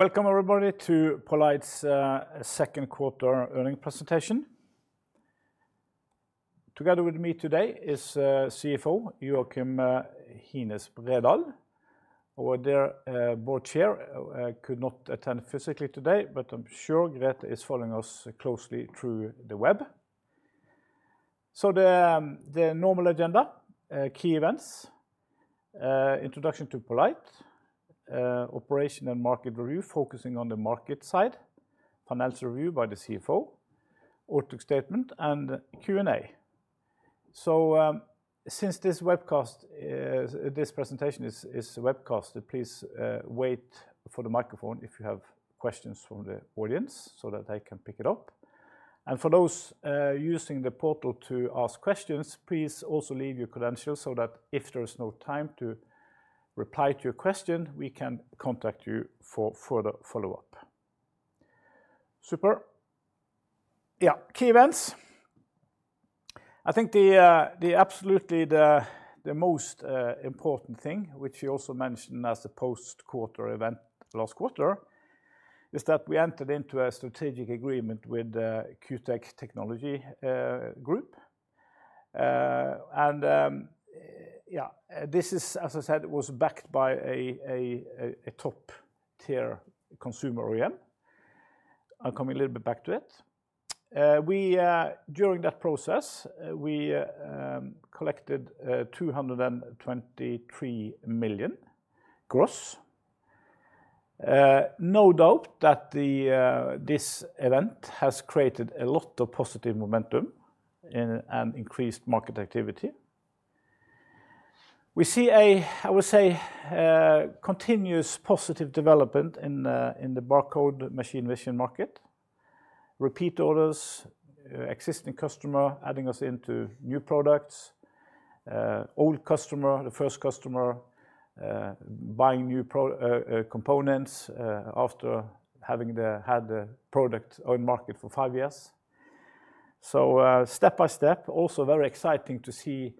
Welcome, everybody, to poLight's Second Quarter Earnings Presentation. Together with me today is CFO, Joakim Hines Bredahl. Our Board Chair could not attend physically today, but I'm sure Grethe is following us closely through the web. The normal agenda: key events, introduction to poLight, operation and market review, focusing on the market side, panel review by the CFO, our statement, and Q&A. Since this presentation is webcasted, please wait for the microphone if you have questions from the audience so that they can pick it up. For those using the portal to ask questions, please also leave your credentials so that if there is no time to reply to your question, we can contact you for further follow-up. Super. Key events. I think the absolutely most important thing, which you also mentioned as a post-quarter event last quarter, is that we entered into a strategic agreement with the Q Technology Group. This is, as I said, it was backed by a top-tier consumer OEM. I'll come a little bit back to it. During that process, we collected NOK 223 million gross. No doubt that this event has created a lot of positive momentum and increased market activity. We see a, I would say, continuous positive development in the barcode machine vision market. Repeat orders, existing customer adding us into new products, old customer, the first customer buying new components after having had the product on market for five years. Step by step, also very exciting to see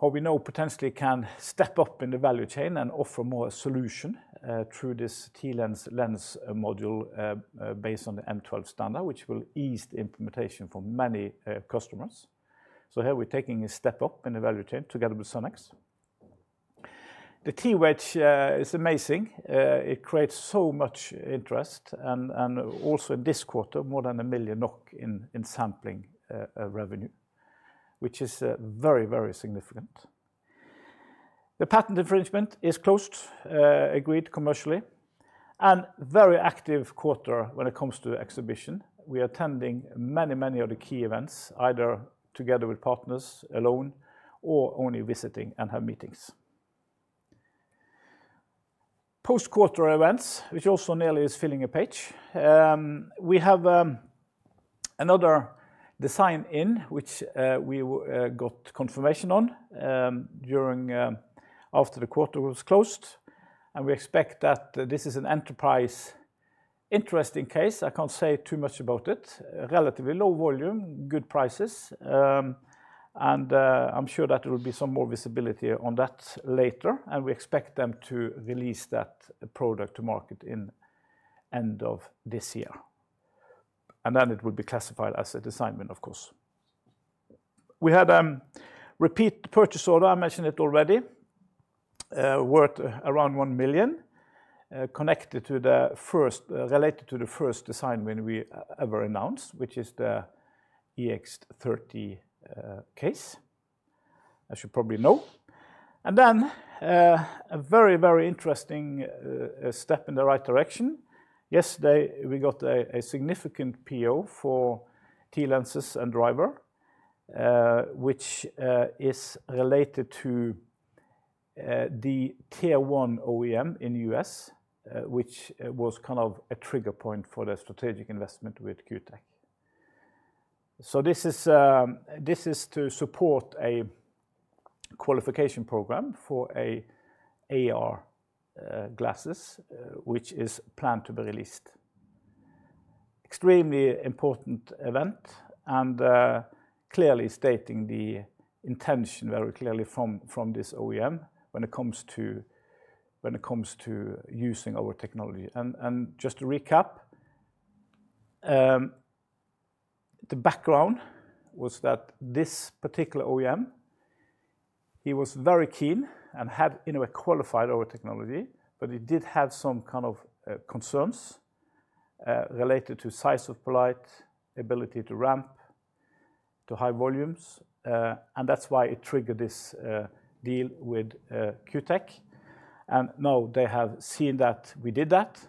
how we now potentially can step up in the value chain and offer more solution through this TLens lens module based on the M12 standard, which will ease the implementation for many customers. Here, we're taking a step up in the value chain together with Sonix. The TLens, which is amazing, it creates so much interest and also in this quarter, more than 1 million NOK in sampling revenue, which is very, very significant. The patent infringement is closed, agreed commercially, and a very active quarter when it comes to exhibition. We are attending many, many of the key events, either together with partners, alone, or only visiting and have meetings. Post-quarter events, which also nearly is filling a page, we have another design-in which we got confirmation on after the quarter was closed. We expect that this is an enterprise interesting case. I can't say too much about it. Relatively low volume, good prices. I'm sure that there will be some more visibility on that later. We expect them to release that product to market at the end of this year. It will be classified as a design win, of course. We had a repeat purchase order, I mentioned it already, worth around 1 million, connected to the first, related to the first design win we ever announced, which is the EX30 case, as you probably know. A very, very interesting step in the right direction, yesterday we got a significant PO for TLens and Driver, which is related to the tier one OEM in the U.S., which was kind of a trigger point for the strategic investment with Q tech. This is to support a qualification program for AR glasses, which is planned to be released. Extremely important event and clearly stating the intention very clearly from this OEM when it comes to using our technology. Just to recap, the background was that this particular OEM was very keen and had, in a way, qualified our technology, but did have some kind of concerns related to size of poLight, ability to ramp to high volumes. That triggered this deal with Q tech. Now they have seen that we did that,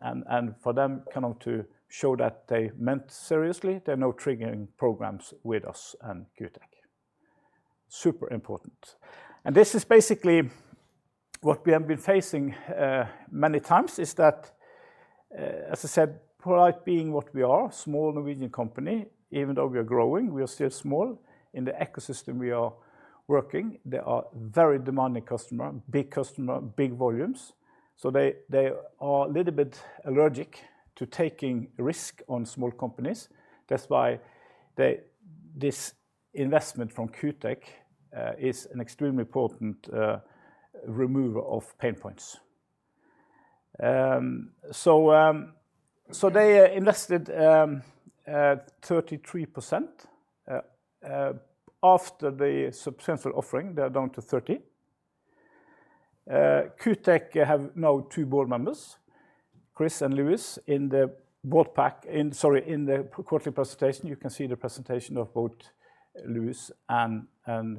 and for them to show that they meant seriously, they're now triggering programs with us and Q tech. Super important. This is basically what we have been facing many times, as I said, poLight being what we are, a small Norwegian company, even though we are growing, we are still small. In the ecosystem we are working, there are very demanding customers, big customers, big volumes. They are a little bit allergic to taking risk on small companies. That is why this investment from Q tech is an extremely important removal of pain points. They invested 33% after the substantial offering, they're down to 30%. Q tech have now two board members, Chris and Lewis, in the board pack. In the quarterly presentation, you can see the presentation of both Lewis and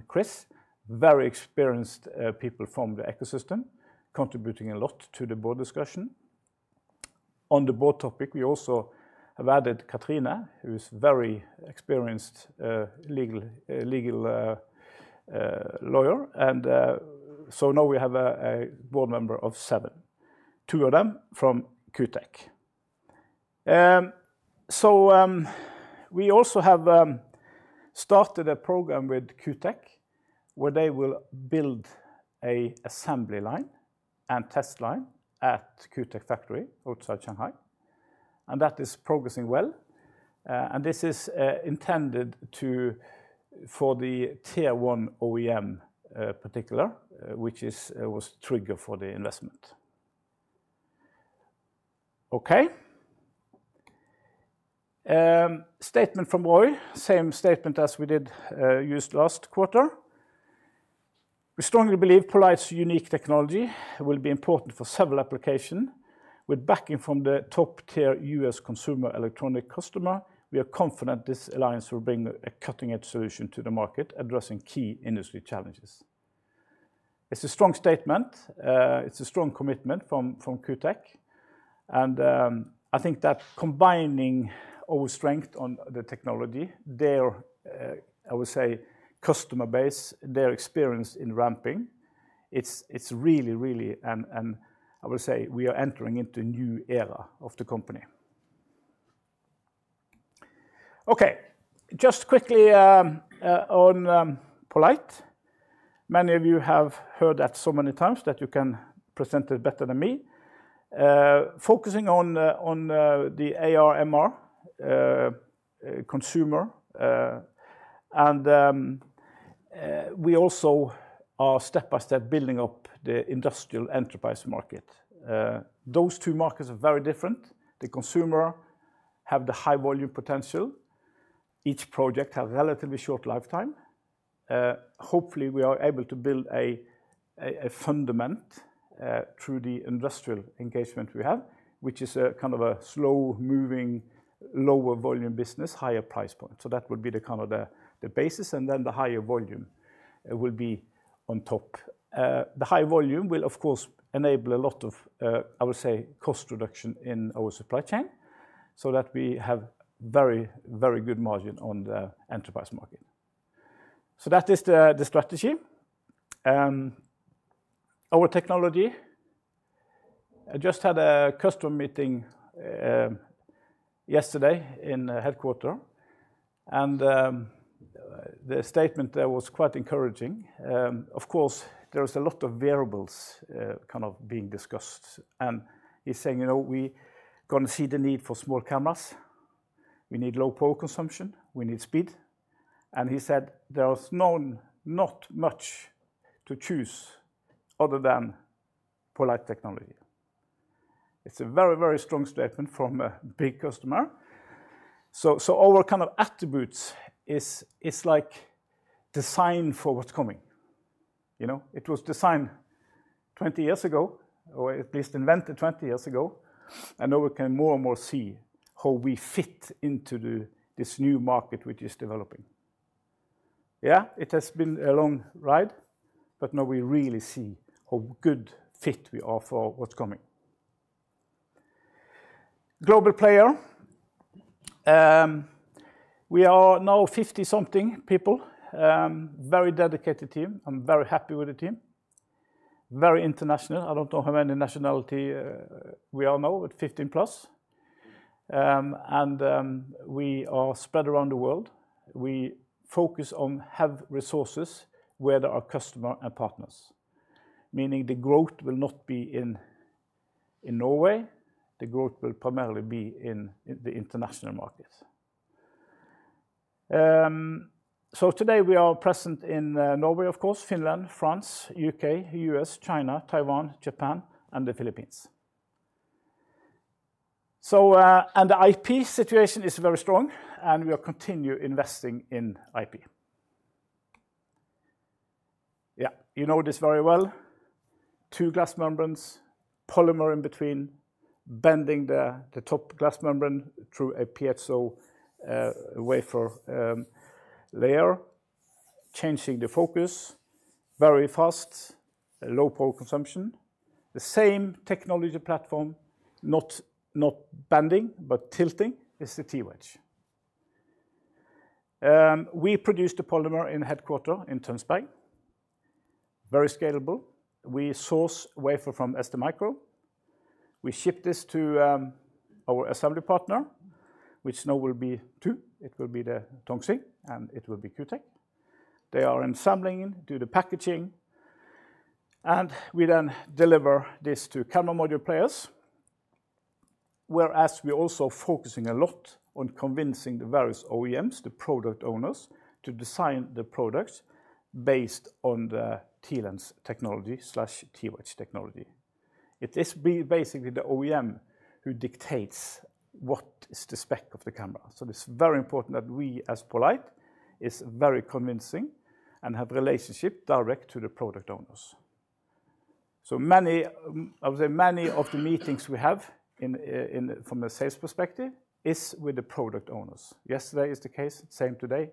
Chris, very experienced people from the ecosystem, contributing a lot to the board discussion. On the board topic, we also have added Katrina, who is a very experienced legal lawyer. Now we have a board member of seven, two of them from Q tech. We also have started a program with Q tech where they will build an assembly line and test line at Q tech factory outside Shanghai, and that is progressing well. This is intended for the tier one OEM in particular, which was triggered for the investment. Statement from OI, same statement as we used last quarter. We strongly believe poLight's unique technology will be important for several applications. With backing from the top-tier U.S. consumer electronic customer, we are confident this alliance will bring a cutting-edge solution to the market, addressing key industry challenges. It's a strong statement. It's a strong commitment from Q tech. I think that combining our strength on the technology, their, I would say, customer base, their experience in ramping, it's really, really, and I would say we are entering into a new era of the company. Okay. Just quickly on poLight. Many of you have heard that so many times that you can present it better than me. Focusing on the AR/MR consumer, and we also are step by step building up the industrial enterprise market. Those two markets are very different. The consumer has the high volume potential. Each project has a relatively short lifetime. Hopefully, we are able to build a fundament through the industrial engagement we have, which is a kind of a slow-moving, lower volume business, higher price point. That would be the kind of the basis, and then the higher volume will be on top. The high volume will, of course, enable a lot of, I would say, cost reduction in our supply chain so that we have very, very good margin on the enterprise market. That is the strategy. Our technology, I just had a customer meeting yesterday in the headquarter, and the statement there was quite encouraging. Of course, there are a lot of variables kind of being discussed. He's saying, "You know, we are going to see the need for small cameras. We need low power consumption. We need speed." He said, "There is not much to choose other than poLight technology." It's a very, very strong statement from a big customer. Our kind of attributes is like design for what's coming. You know, it was designed 20 years ago or at least invented 20 years ago, and now we can more and more see how we fit into this new market which is developing. Yeah, it has been a long ride, but now we really see how good fit we are for what's coming. Global player. We are now 50-something people. A very dedicated team. I'm very happy with the team. Very international. I don't know how many nationalities we are now, but 15+. We are spread around the world. We focus on health resources where there are customers and partners, meaning the growth will not be in Norway. The growth will primarily be in the international markets. Today, we are present in Norway, of course, Finland, France, U.K., U.S., China, Taiwan, Japan, and the Philippines. The IP situation is very strong, and we are continuing investing in IP. Yeah, you know this very well. Two glass membranes, polymer in between, bending the top glass membrane through a PSO wafer layer, changing the focus very fast, low power consumption. The same technology platform, not bending but tilting, is the T-Wedge. We produce the polymer in headquarters in Tønsberg. Very scalable. We source wafer from STMicro. We ship this to our assembly partner, which now will be two. It will be the Tongxing, and it will be Q tech. They are assembling, do the packaging, and we then deliver this to camera module players, whereas we're also focusing a lot on convincing the various OEMs, the product owners, to design the products based on the TLens technology/T-Wedge technology. It is basically the OEM who dictates what is the spec of the camera. It is very important that we, as poLight, are very convincing and have a relationship direct to the product owners. Many of the meetings we have from a sales perspective are with the product owners. Yesterday is the case, same today.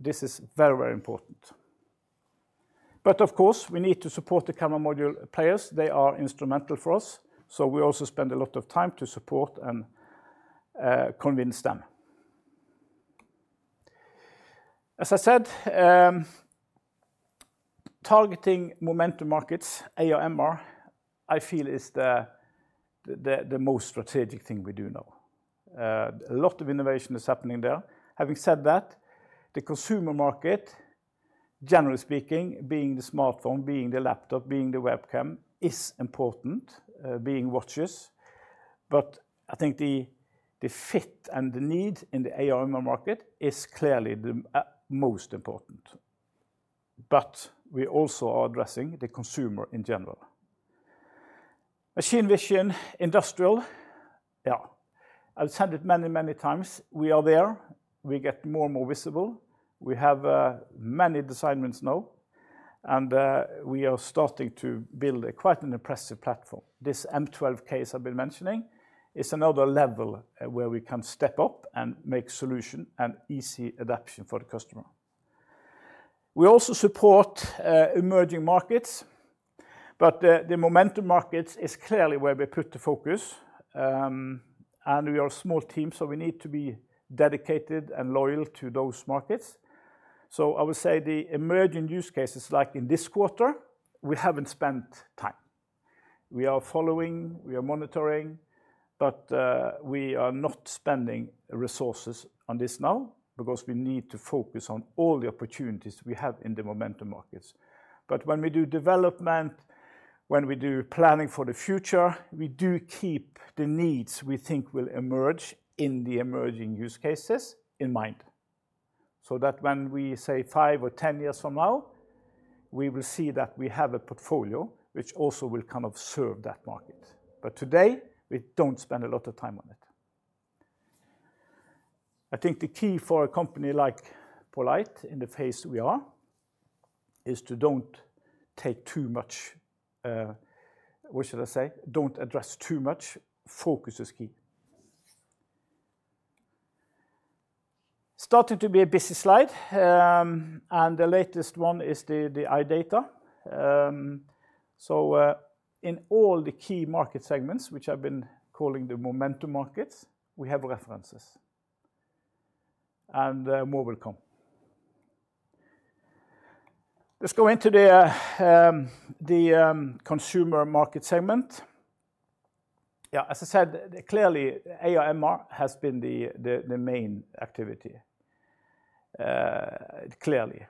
This is very, very important. Of course, we need to support the camera module players. They are instrumental for us.. We also spend a lot of time to support and convince them. As I said, targeting momentum markets, AR/MR, I feel is the most strategic thing we do now. A lot of innovation is happening there. Having said that, the consumer market, generally speaking, being the smartphone, being the laptop, being the webcam, is important, being watches. I think the fit and the need in the AR/MR market is clearly the most important. We also are addressing the consumer in general. Machine vision, industrial, yeah, I said it many, many times. We are there. We get more and more visible. We have many design wins now. We are starting to build quite an impressive platform. This M12 case I've been mentioning is another level where we can step up and make solution and easy adaption for the customer. We also support emerging markets, but the momentum markets are clearly where we put the focus. We are a small team, so we need to be dedicated and loyal to those markets. I would say the emerging use cases, like in this quarter, we haven't spent time. We are following, we are monitoring, but we are not spending resources on this now because we need to focus on all the opportunities we have in the momentum markets. When we do development, when we do planning for the future, we do keep the needs we think will emerge in the emerging use cases in mind. When we say 5 years or 10 years from now, we will see that we have a portfolio which also will kind of serve that market. Today, we don't spend a lot of time on it. I think the key for a company like poLight in the phase we are is to don't take too much, what should I say, don't address too much. Focus is key. Starting to be a busy slide. The latest one is the iData. In all the key market segments, which I've been calling the momentum markets, we have references. Mobile com. Let's go into the consumer market segment. Yeah, as I said, clearly, AR/MR has been the main activity, clearly.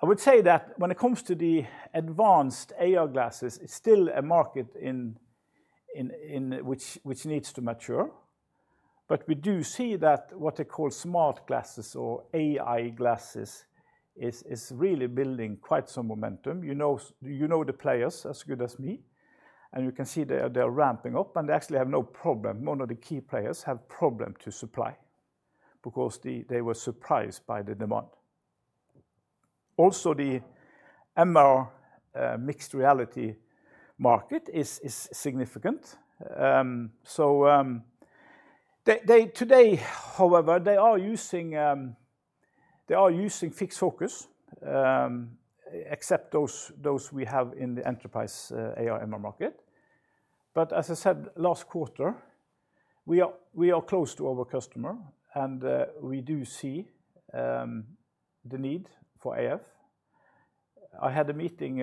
I would say that when it comes to the advanced AR glasses, it's still a market in which needs to mature. We do see that what they call smart glasses or AI glasses is really building quite some momentum. You know the players as good as me. You can see they are ramping up, and they actually have no problem. One of the key players had a problem to supply because they were surprised by the demand. The MR mixed reality market is significant. Today, however, they are using fixed focus, except those we have in the enterprise AR/MR market. As I said last quarter, we are close to our customer, and we do see the need for AF. I had a meeting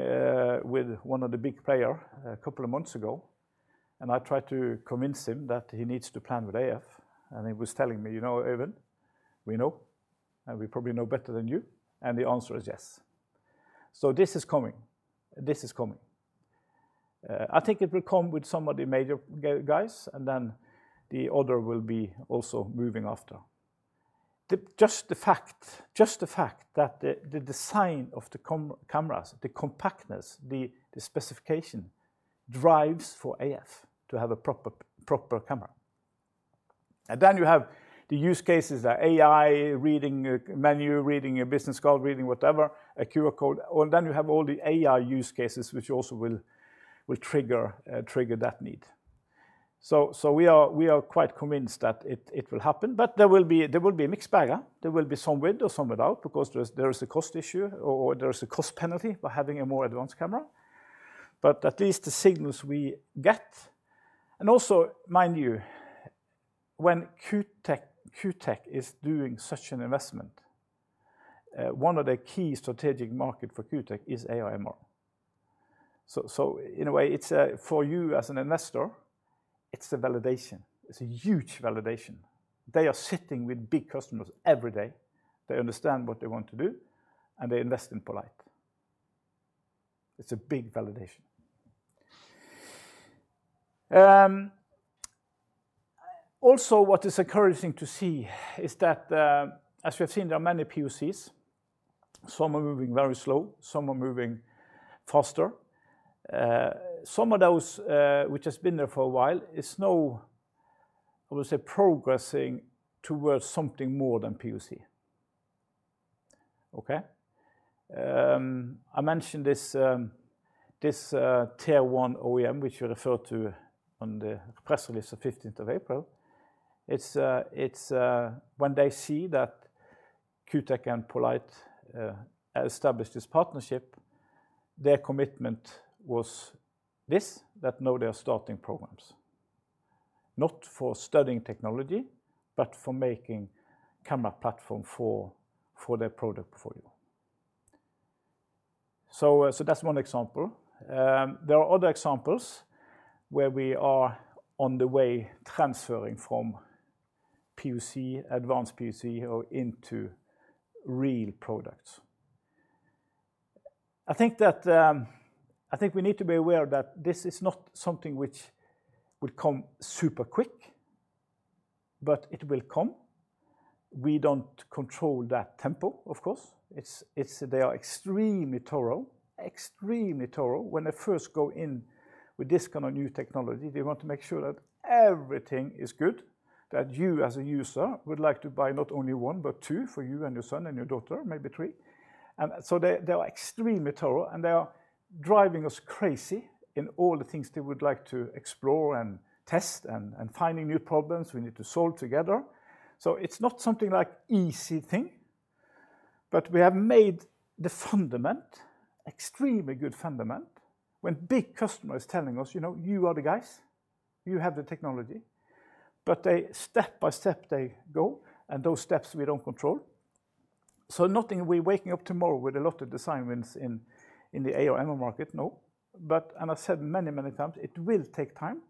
with one of the big players a couple of months ago, and I tried to convince him that he needs to plan with AF. He was telling me, "You know, Even, we know, and we probably know better than you." The answer is yes. This is coming. This is coming. I think it will come with some of the major guys, and then the other will be also moving after. Just the fact, just the fact that the design of the cameras, the compactness, the specification drives for AF to have a proper camera. Then you have the use cases that AI reading menu, reading your business card, reading whatever, a QR code. Oh, and then you have all the AI use cases, which also will trigger that need. We are quite convinced that it will happen, but there will be a mixed bag. There will be some with or some without because there is a cost issue or there is a cost penalty by having a more advanced camera. At least the signals we get. Also, mind you, when Q tech is doing such an investment, one of the key strategic markets for Q tech is AR/MR. In a way, for you as an investor, it's a validation. It's a huge validation. They are sitting with big customers every day. They understand what they want to do, and they invest in poLight. It's a big validation. What is encouraging to see is that, as we have seen, there are many POCs. Some are moving very slow. Some are moving faster. Some of those which have been there for a while are now, I would say, progressing towards something more than POC. I mentioned this tier one OEM, which we referred to on the press release of April 15. It's when they see that Q tech and poLight established this partnership, their commitment was this, that now they are starting programs. Not for studying technology, but for making camera platform for their product portfolio. That's one example. There are other examples where we are on the way transferring from POC, advanced POC, or into real products. I think we need to be aware that this is not something which would come super quick, but it will come. We don't control that tempo, of course. They are extremely thorough, extremely thorough. When they first go in with this kind of new technology, they want to make sure that everything is good, that you as a user would like to buy not only one but two for you and your son and your daughter, maybe three. They are extremely thorough, and they are driving us crazy in all the things they would like to explore and test and finding new problems we need to solve together. It's not something like an easy thing, but we have made the fundament, an extremely good fundament when a big customer is telling us, "You know, you are the guys. You have the technology." Step by step, they go, and those steps we don't control. Nothing we're waking up tomorrow with a lot of design wins in the AR/MR market, no. As I've said many, many times, it will take time,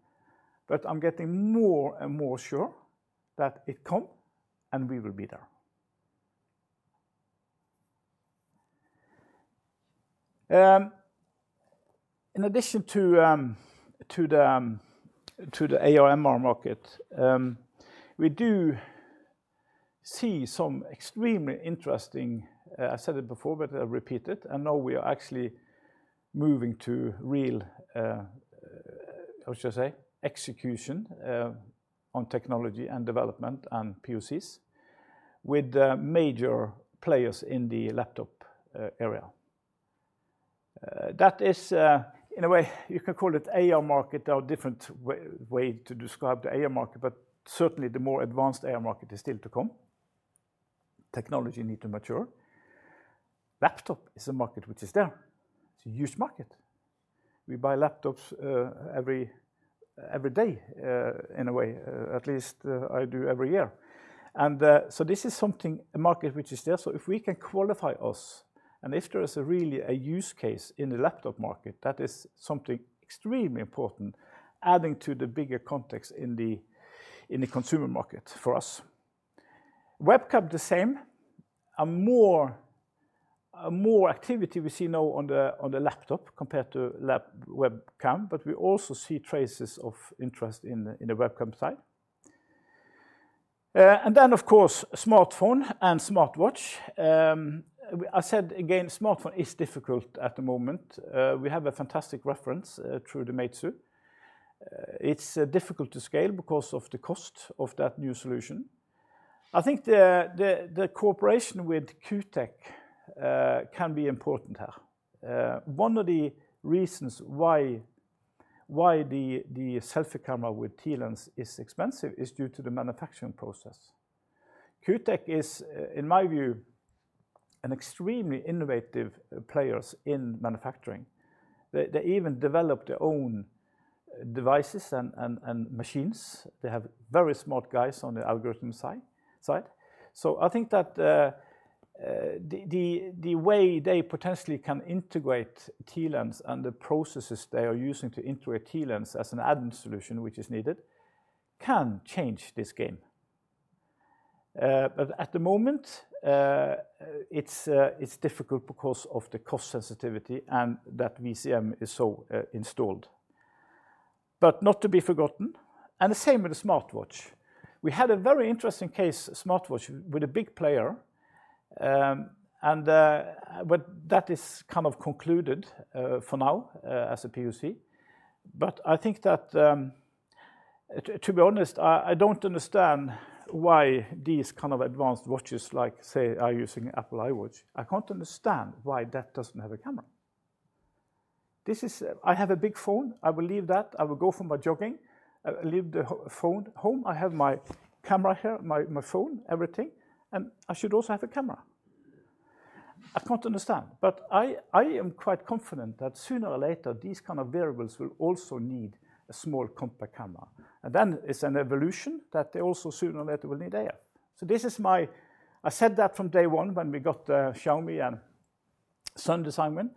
but I'm getting more and more sure that it comes and we will be there. In addition to the AR/MR market, we do see some extremely interesting, I said it before, but I'll repeat it. Now we are actually moving to real, I should say, execution on technology and development and POCs with the major players in the laptop area. That is, in a way, you can call it AR market. There are different ways to describe the AR market, but certainly, the more advanced AR market is still to come. Technology needs to mature. Laptop is a market which is there. It's a huge market. We buy laptops every day, in a way. At least I do every year. This is something, a market which is there. If we can qualify us, and if there is really a use case in the laptop market, that is something extremely important, adding to the bigger context in the consumer market for us. Webcam, the same. More activity we see now on the laptop compared to webcam, but we also see traces of interest in the webcam side. Of course, smartphone and smartwatch. I said, again, smartphone is difficult at the moment. We have a fantastic reference through the Metsu. It's difficult to scale because of the cost of that new solution. I think the cooperation with Q tech can be important here. One of the reasons why the selfie camera with TLens is expensive is due to the manufacturing process. Q tech is, in my view, an extremely innovative player in manufacturing. They even develop their own devices and machines. They have very smart guys on the algorithm side. I think that the way they potentially can integrate TLens and the processes they are using to integrate TLens as an add-on solution which is needed can change this game. At the moment, it's difficult because of the cost sensitivity and that VCM is so installed. Not to be forgotten, and the same with the smartwatch. We had a very interesting case, smartwatch with a big player, and that is kind of concluded for now as a POC. To be honest, I don't understand why these kind of advanced watches, like, say, are using Apple iWatch. I can't understand why that doesn't have a camera. I have a big phone. I will leave that. I will go for my jogging. I leave the phone home. I have my camera here, my phone, everything. I should also have a camera. I can't understand. I am quite confident that sooner or later, these kind of wearables will also need a small compact camera. It's an evolution that they also sooner or later will need AF. This is my, I said that from day one when we got the Xiaomi and Son design win.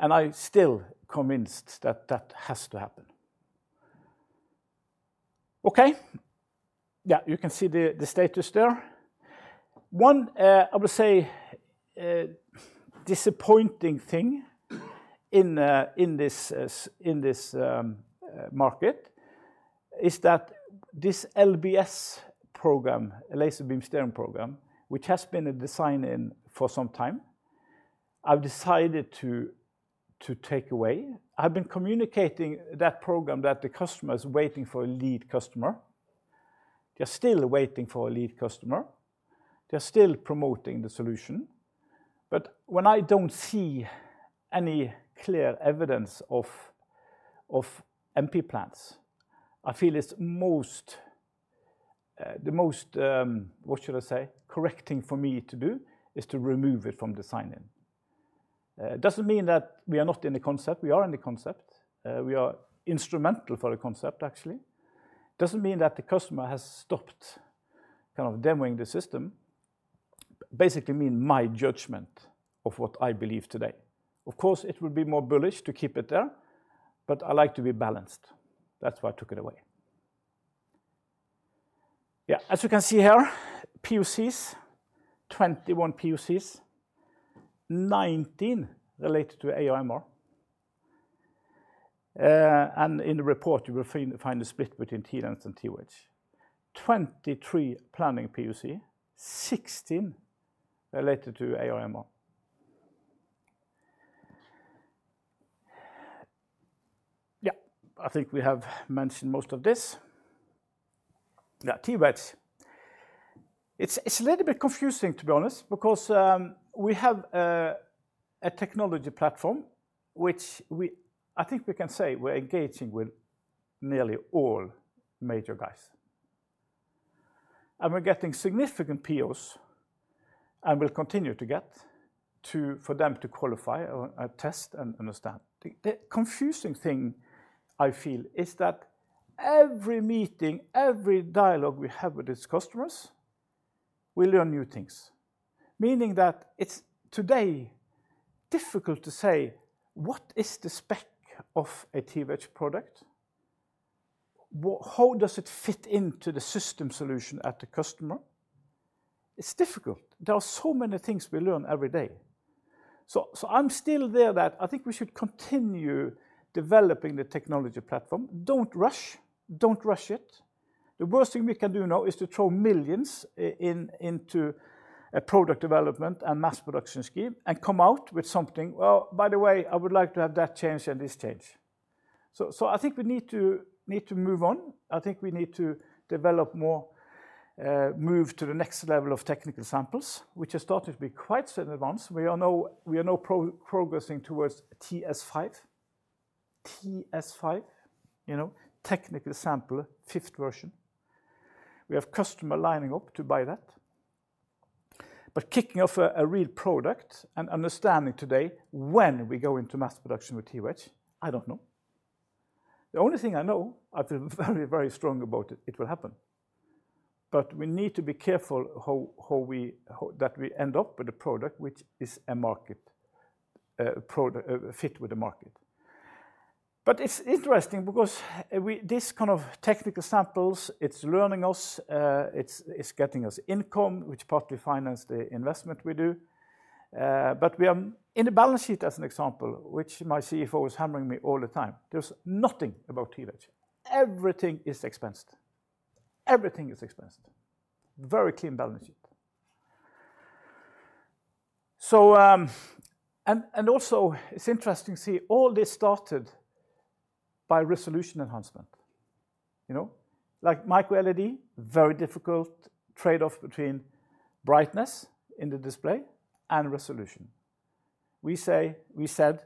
I am still convinced that that has to happen. You can see the status there. One, I would say, disappointing thing in this market is that this LBS program, a laser beam stereo program, which has been a design-in for some time, I've decided to take away. I've been communicating that program that the customer is waiting for a lead customer. They're still waiting for a lead customer. They're still promoting the solution. When I don't see any clear evidence of MP plans, I feel the most, what should I say, correcting for me to do is to remove it from design-in. It doesn't mean that we are not in the concept. We are in the concept. We are instrumental for the concept, actually. It doesn't mean that the customer has stopped kind of demoing the system. Basically, it means my judgment of what I believe today. Of course, it would be more bullish to keep it there, but I like to be balanced. That's why I took it away. As you can see here, POCs, 21 POCs, 19 related to AR/MR. In the report, you will find a split between TLens and T-Wedge. 23 planning POC, 16 related to AR/MR. I think we have mentioned most of this. T-Wedge, it's a little bit confusing, to be honest, because we have a technology platform which I think we can say we're engaging with nearly all major guys. We're getting significant POs, and we'll continue to get for them to qualify and test and understand. The confusing thing I feel is that every meeting, every dialogue we have with these customers, we learn new things, meaning that it's today difficult to say what is the spec of a T-Wedge product. How does it fit into the system solution at the customer? It's difficult. There are so many things we learn every day. I'm still there that I think we should continue developing the technology platform. Don't rush. Don't rush it. The worst thing we can do now is to throw millions into a product development and mass production scheme and come out with something, "By the way, I would like to have that changed and this changed." I think we need to move on. I think we need to develop more, move to the next level of technical samples, which are starting to be quite advanced. We are now progressing towards TS5. TS5, you know, technical sample, fifth version. We have customers lining up to buy that. Kicking off a real product and understanding today when we go into mass production with T-Wedge, I don't know. The only thing I know, I feel very, very strong about it, it will happen. We need to be careful how we end up with a product which is a market fit with the market. It's interesting because these kind of technical samples, it's learning us. It's getting us income, which partly financed the investment we do. We are in the balance sheet, as an example, which my CFO was hammering me all the time. There's nothing about T-Wedge. Everything is expensive. Everything is expensive. Very clean balance sheet. It's interesting to see all this started by resolution enhancement. You know, like micro LED, very difficult trade-off between brightness in the display and resolution. We said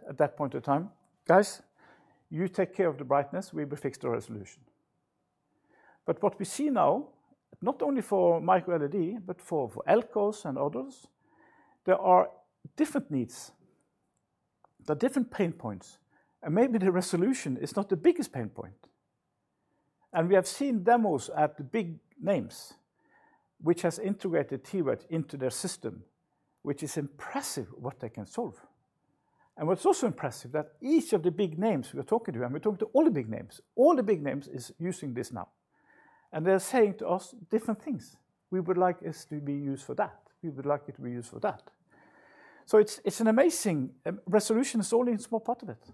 at that point in time, "Guys, you take care of the brightness. We will fix the resolution." What we see now, not only for micro LED, but for ELKOS and others, there are different needs, but different pain points. Maybe the resolution is not the biggest pain point. We have seen demos at the big names, which have integrated T-Wedge into their system, which is impressive what they can solve. What's also impressive is that each of the big names we're talking to, and we're talking to all the big names, all the big names are using this now. They're saying to us. different things. "We would like this to be used for that. We would like it to be used for that." It's amazing resolution is only a small part of it.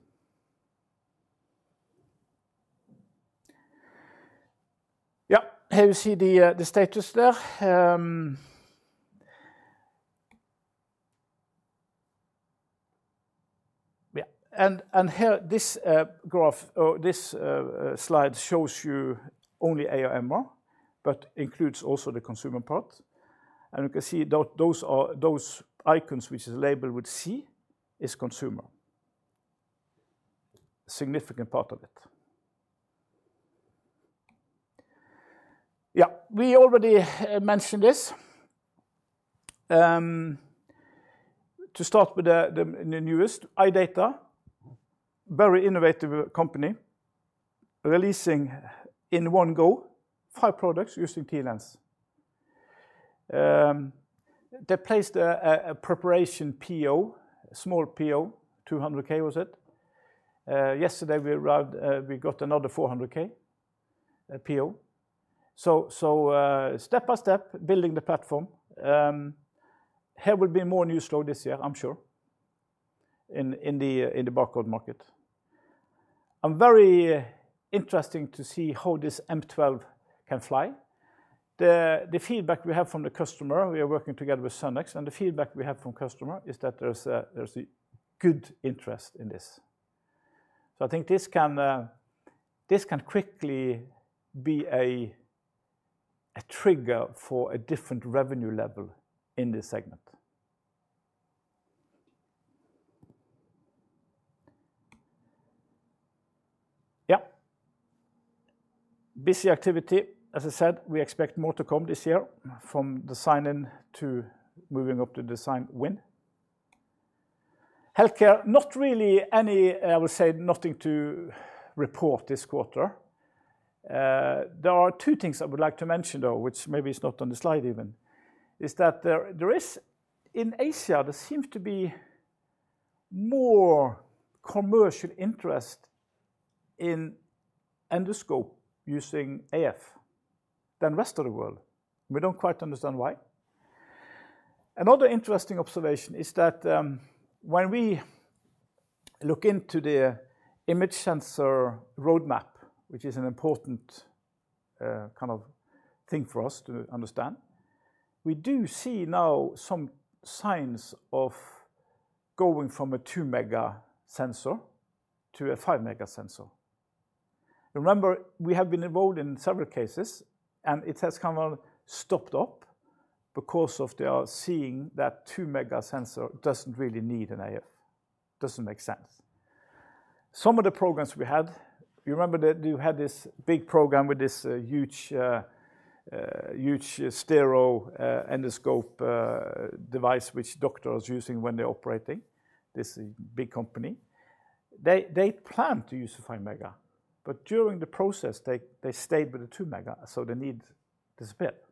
Here you see the status there. This graph or this slide shows you only AR/MR, but includes also the consumer part. You can see those icons, which are labeled with C, is consumer. Significant part of it. We already mentioned this. To start with the newest iData, very innovative company, releasing in one go, five products using TLens. They placed a preparation PO, a small PO, $200,000 was it. Yesterday, we got another $400,000 PO. Step by step, building the platform. There will be more new stuff this year, I'm sure, in the barcode market. I'm very interested to see how this M12 can fly. The feedback we have from the customer, we are working together with Sonix, and the feedback we have from customers is that there's a good interest in this. I think this can quickly be a trigger for a different revenue level in this segment. Busy activity. As I said, we expect more to come this year from the sign-in to moving up to the design win. Healthcare, not really any, I would say, nothing to report this quarter. There are two things I would like to mention, though, which maybe is not on the slide even, is that there is in Asia, there seems to be more commercial interest in endoscope using AF than the rest of the world. We don't quite understand why. Another interesting observation is that when we look into the image sensor roadmap, which is an important kind of thing for us to understand, we do see now some signs of going from a 2-mega sensor to a 5-mega sensor. Remember, we have been involved in several cases, and it has kind of stopped up because they are seeing that 2-mega sensor doesn't really need an AF. Doesn't make sense. Some of the programs we had, you remember that you had this big program with this huge stereo endoscope device which doctors are using when they're operating. This big company. They planned to use the 5-mega, but during the process, they stayed with the 2-mega, so they need this bit.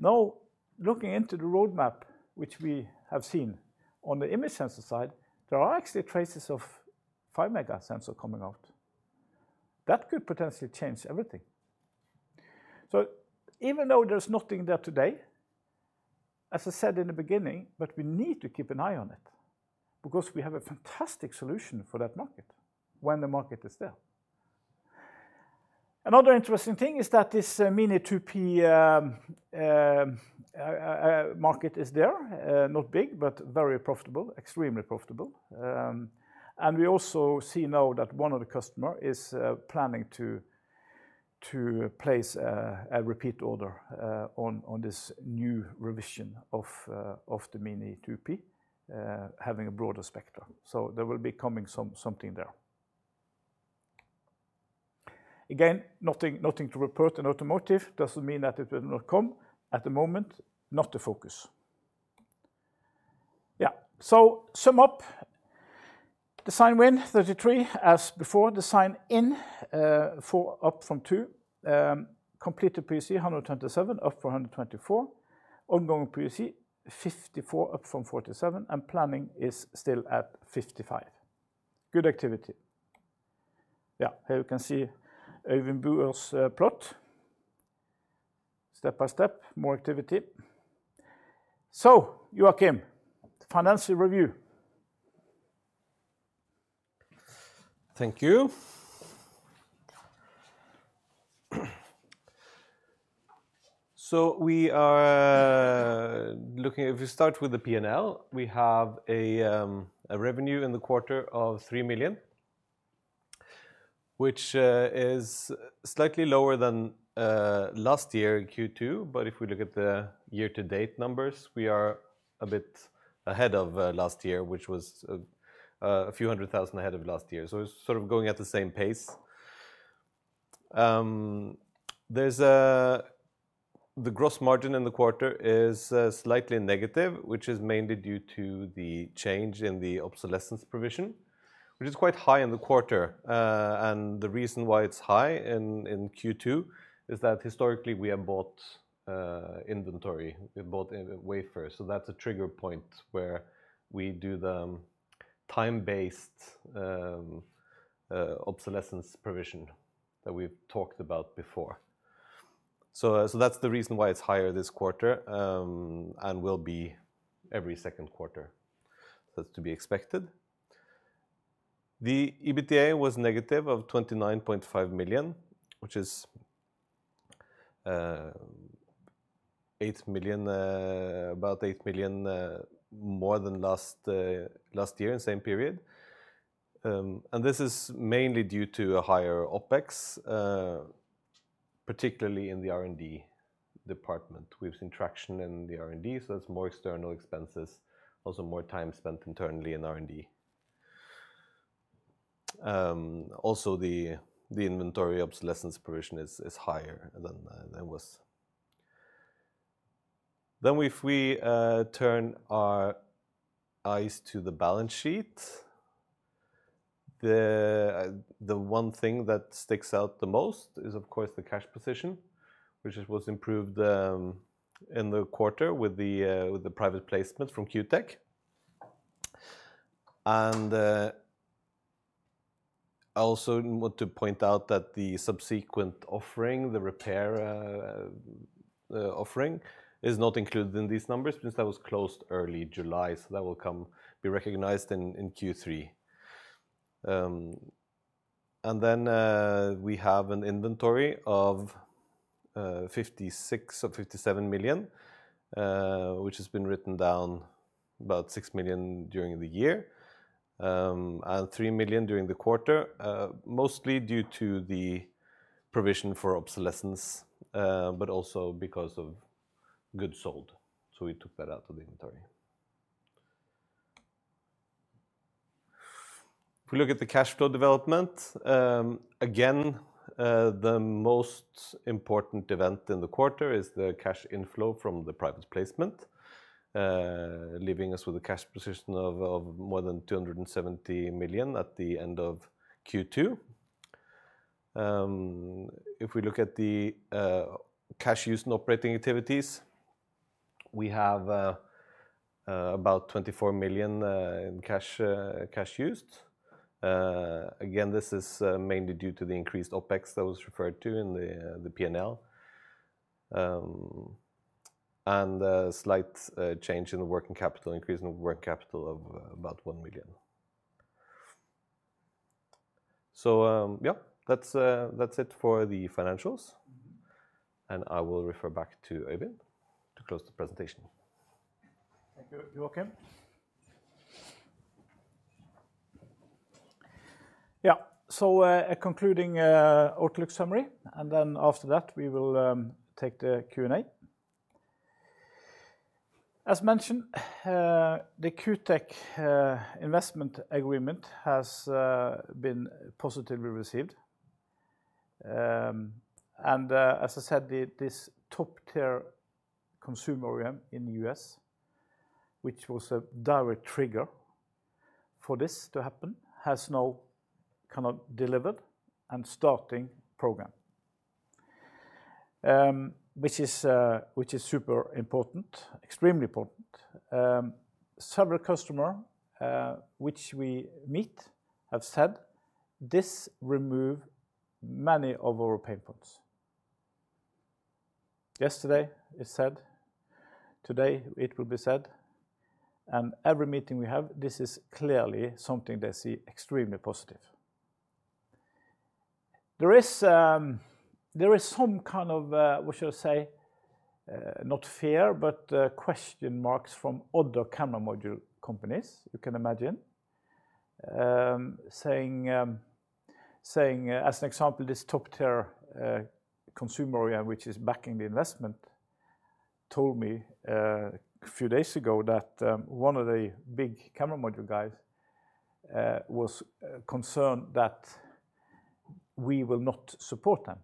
Now, looking into the roadmap, which we have seen on the image sensor side, there are actually traces of 5-mega sensor coming out. That could potentially change everything. Even though there's nothing there today, as I said in the beginning, we need to keep an eye on it because we have a fantastic solution for that market when the market is there. Another interesting thing is that this mini 2P market is there, not big, but very profitable, extremely profitable. We also see now that one of the customers is planning to place a repeat order on this new revision of the mini 2P, having a broader spectrum. There will be coming something there. Nothing to report in automotive. Doesn't mean that it will not come. At the moment, not the focus. Yeah. To sum up. Design win 33 as before. Design in for up from 2. Completed POC 127, up from 124. Ongoing POC 54, up from 47, and planning is still at 55. Good activity. Here you can see Eivind Buer's plot. Step by step, more activity. So, Joakim, the financial review. Thank you. We are looking, if we start with the P&L, we have a revenue in the quarter of 3 million, which is slightly lower than last year in Q2. If we look at the year-to-date numbers, we are a bit ahead of last year, which was a few hundred thousand ahead of last year. It's sort of going at the same pace. The gross margin in the quarter is slightly negative, which is mainly due to the change in the inventory obsolescence provision, which is quite high in the quarter. The reason why it's high in Q2 is that historically, we have bought inventory, we bought wafers. That's a trigger point where we do the time-based obsolescence provision that we talked about before. That's the reason why it's higher this quarter and will be every second quarter. That's to be expected. The EBITDA was NOK -29.5 million, which is about 8 million more than last year in the same period. This is mainly due to a higher OpEx, particularly in the R&D department. We've seen traction in the R&D, so that's more external expenses, also more time spent internally in R&D. Also, the inventory obsolescence provision is higher than it was. If we turn our eyes to the balance sheet, the one thing that sticks out the most is, of course, the cash position, which was improved in the quarter with the private placement from Q tech. I also want to point out that the subsequent offering, the repair offering, is not included in these numbers since that was closed early July. That will be recognized in Q3. We have an inventory of 56 million or 57 million, which has been written down about 6 million during the year and 3 million during the quarter, mostly due to the provision for obsolescence, but also because of goods sold. We took that out of the inventory. If we look at the cash flow development, again, the most important event in the quarter is the cash inflow from the private placement, leaving us with a cash position of more than 270 million at the end of Q2. If we look at the cash used in operating activities, we have about 24 million in cash used. This is mainly due to the increased OpEx that was referred to in the P&L and a slight change in the working capital, increase in the working capital of about NOK 1 million. That's it for the financials. I will refer back to Øyvind to post the presentation. Thank you, Joakim. Yeah. A concluding outlook summary, and then after that, we will take the Q&A. As mentioned, the Q tech investment agreement has been positively received. As I said, this top-tier consumer OEM in the U.S., which was a direct trigger for this to happen, has now kind of delivered and started a program, which is super important, extremely important. Several customers which we meet have said this removes many of our pain points. Yesterday, it was said. Today, it will be said. Every meeting we have, this is clearly something they see as extremely positive. There is some kind of, what should I say, not fear, but question marks from other camera module companies, you can imagine, saying, as an example, this top-tier consumer OEM, which is backing the investment, told me a few days ago that one of the big camera module guys was concerned that we will not support them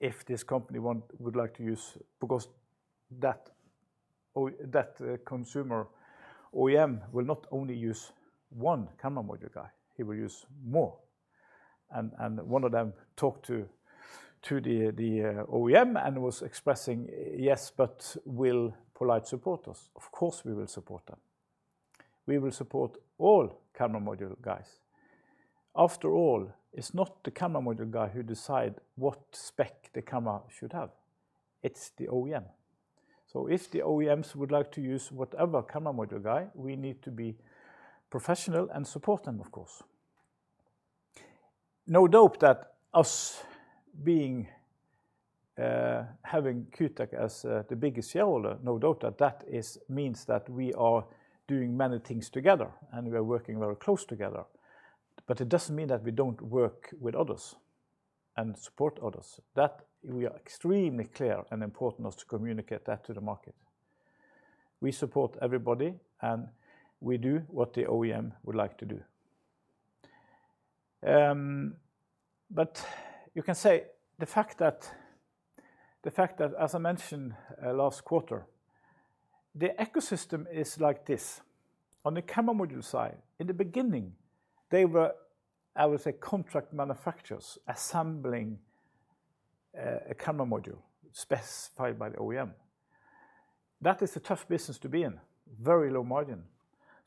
if this company would like to use because that consumer OEM will not only use one camera module guy. He will use more. One of them talked to the OEM and was expressing, "Yes, but will poLight support us?" Of course, we will support them. We will support all camera module guys. After all, it's not the camera module guy who decides what spec the camera should have. It's the OEM. If the OEMs would like to use whatever camera module guy, we need to be professional and support them, of course. No doubt that us having Q tech as the biggest shareholder, no doubt that that means that we are doing many things together and we are working very close together. It doesn't mean that we don't work with others and support others. That we are extremely clear and important to communicate that to the market. We support everybody, and we do what the OEM would like to do. You can say the fact that, as I mentioned last quarter, the ecosystem is like this. On the camera module side, in the beginning, they were, I would say, contract manufacturers assembling a camera module specified by the OEM. That is a tough business to be in, very low margin.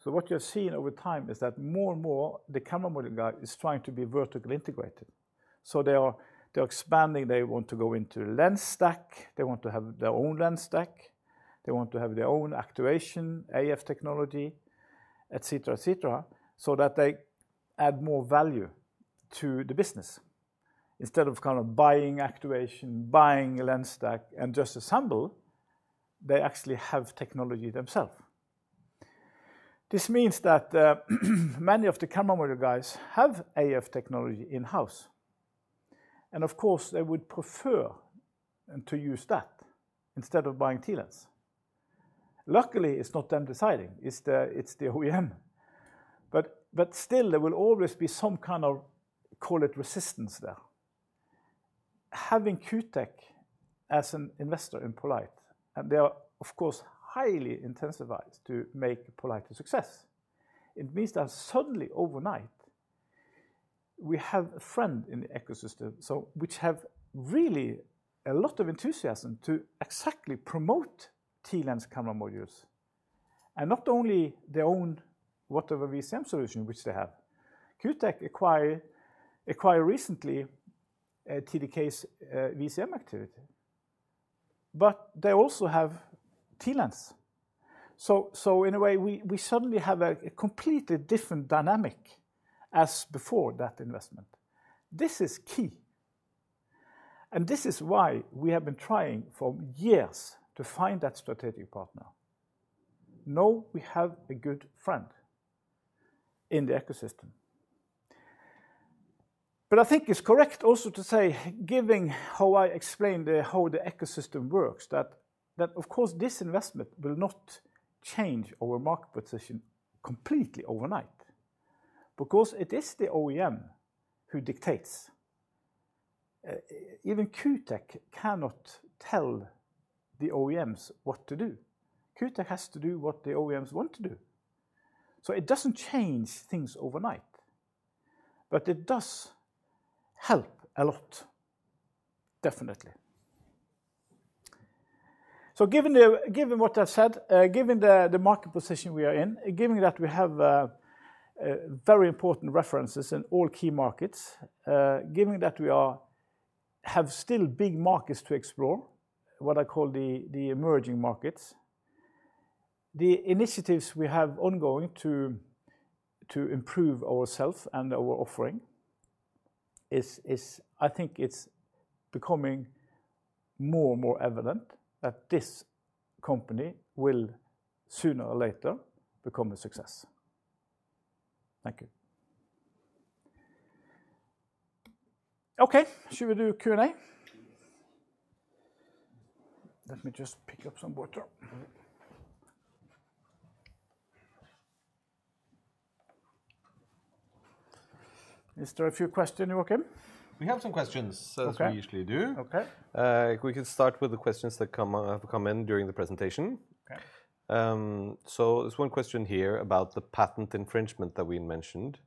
What you're seeing over time is that more and more the camera module guy is trying to be vertically integrated. They are expanding. They want to go into lens stack. They want to have their own lens stack. They want to have their own actuation, AF technology, etc., etc., so that they add more value to the business. Instead of kind of buying actuation, buying a lens stack, and just assemble, they actually have technology themselves. This means that many of the camera module guys have AF technology in-house. Of course, they would prefer to use that instead of buying TLens. Luckily, it's not them deciding. It's the OEM. There will always be some kind of, call it, resistance there. Having Q tech as an investor in poLight, and they are, of course, highly incentivized to make poLight a success. It means that suddenly, overnight, we have a friend in the ecosystem, which has really a lot of enthusiasm to exactly promote TLens camera modules. Not only their own whatever VCM solution, which they have, Q tech acquired recently TDK's VCM activity. They also have TLens. In a way, we suddenly have a completely different dynamic as before that investment. This is key. This is why we have been trying for years to find that strategic partner. Now we have a good friend in the ecosystem. I think it's correct also to say, given how I explained how the ecosystem works, that, of course, this investment will not change our market position completely overnight because it is the OEM who dictates. Even Q tech cannot tell the OEMs what to do. Q tech has to do what the OEMs want to do. It doesn't change things overnight. It does help a lot, definitely. Given what I've said, given the market position we are in, given that we have very important references in all key markets, given that we have still big markets to explore, what I call the emerging markets, the initiatives we have ongoing to improve ourselves and our offering is, I think it's becoming more and more evident that this company will sooner or later become a success. Thank you. Okay. Should we do Q&A? Let me just pick up some board there. Is there a few questions, Joakim? We have some questions as we usually do. Okay, we can start with the questions that have come in during the presentation. There is one question here about the patent infringement that we mentioned.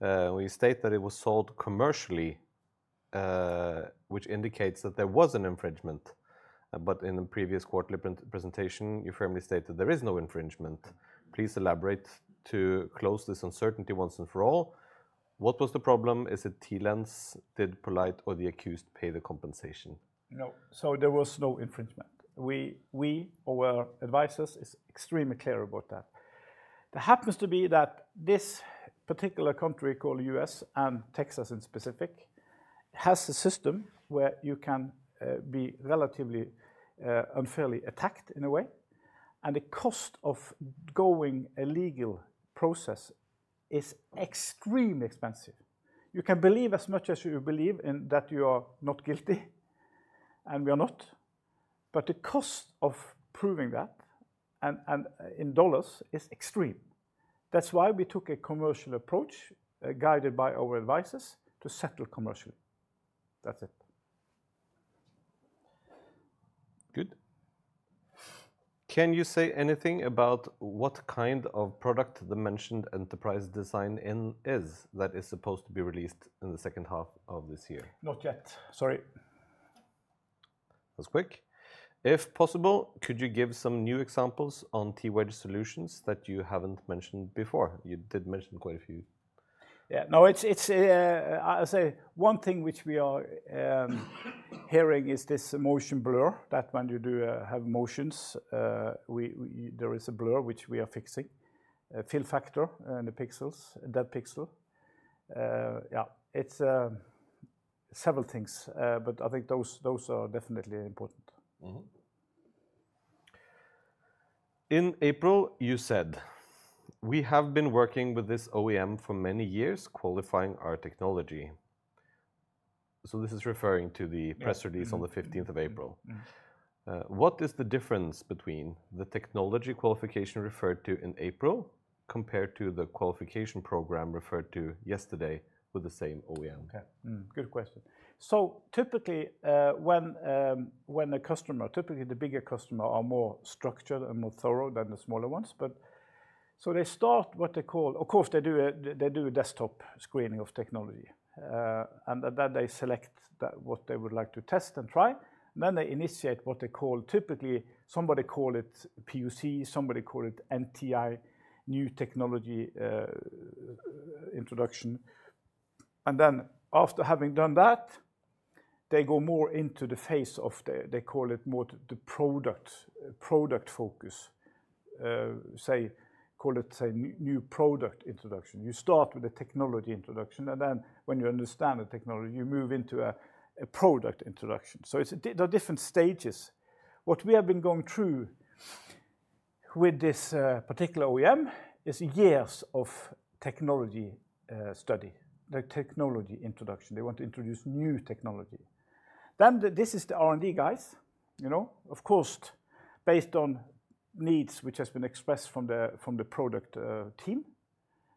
We state that it was sold commercially, which indicates that there was an infringement. In the previous quarterly presentation, you firmly state that there is no infringement. Please elaborate to close this uncertainty once and for all. What was the problem? Is it TLens? Did poLight or the accused pay the compensation? No. There was no infringement. We or our advisors are extremely clear about that. It happens to be that this particular country called the U.S., and Texas in specific, has a system where you can be relatively unfairly attacked in a way. The cost of going a legal process is extremely expensive. You can believe as much as you believe that you are not guilty, and we are not, but the cost of proving that in dollars is extreme. That is why we took a commercial approach guided by our advisors to settle commercially. That's it. Good. Can you say anything about what kind of product the mentioned enterprise design-in is that is supposed to be released in the second half of this year? Not yet, sorry. That was quick. If possible, could you give some new examples on T-Wedge solutions that you haven't mentioned before? You did mention quite a few. Yeah. No, it's a, I'll say, one thing which we are hearing is this motion blur, that when you do have motions, there is a blur which we are fixing, a fill factor in the pixels, in that pixel. Yeah, it's several things, but I think those are definitely important. In April, you said, "We have been working with this OEM for many years, qualifying our technology." This is referring to the press release on the 15th of April. What is the difference between the technology qualification referred to in April compared to the qualification program referred to yesterday with the same OEM? Okay. Good question. Typically, when a customer, typically the bigger customer, are more structured and more thorough than the smaller ones. They start what they call, of course, they do a desktop screening of technology. They select what they would like to test and try. They initiate what they call, typically somebody called it POC, somebody called it NTI, new technology introduction. After having done that, they go more into the phase of, they call it more the product focus. They call it, say, new product introduction. You start with a technology introduction. When you understand the technology, you move into a product introduction. There are different stages. What we have been going through with this particular OEM is years of technology study, the technology introduction. They want to introduce new technology. This is the R&D guys. Of course, based on needs which have been expressed from the product team,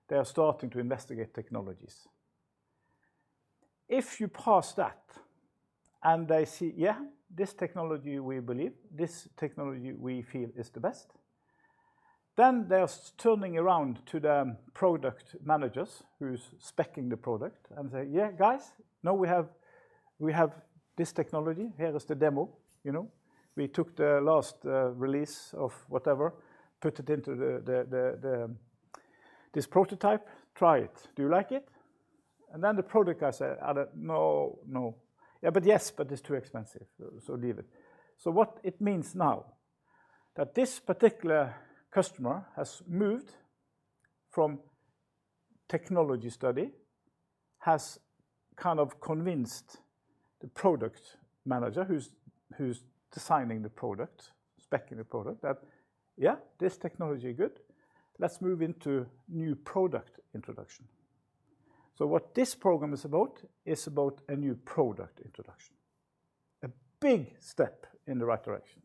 they are starting to investigate technologies. If you pass that and they see, "Yeah, this technology we believe, this technology we feel is the best," they are turning around to the product managers who are speccing the product and saying, "Yeah, guys, now we have this technology. Here is the demo. You know, we took the last release of whatever, put it into this prototype, try it. Do you like it?" The product guy said, "No, no. Yeah, but yes, but it's too expensive. So leave it." What it means now, that this particular customer has moved from technology study, has kind of convinced the product manager who's designing the product, speccing the product, that, "Yeah, this technology is good. Let's move into new product introduction." What this program is about is about a new product introduction. A big step in the right direction.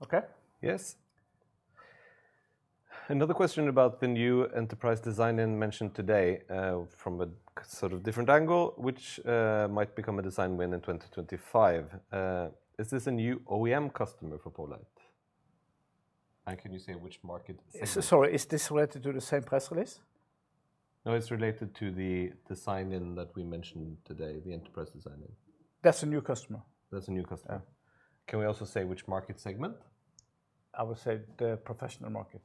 Okay? Yes. Another question about the new enterprise design-in mentioned today from a sort of different angle, which might become a design win in 2025. Is this a new OEM customer for poLight? Can you say which market? Sorry, is this related to the same press release? No, it's related to the design-in that we mentioned today, the enterprise design-in. That's a new customer. That's a new customer. Can we also say which market segment? I would say the professional market.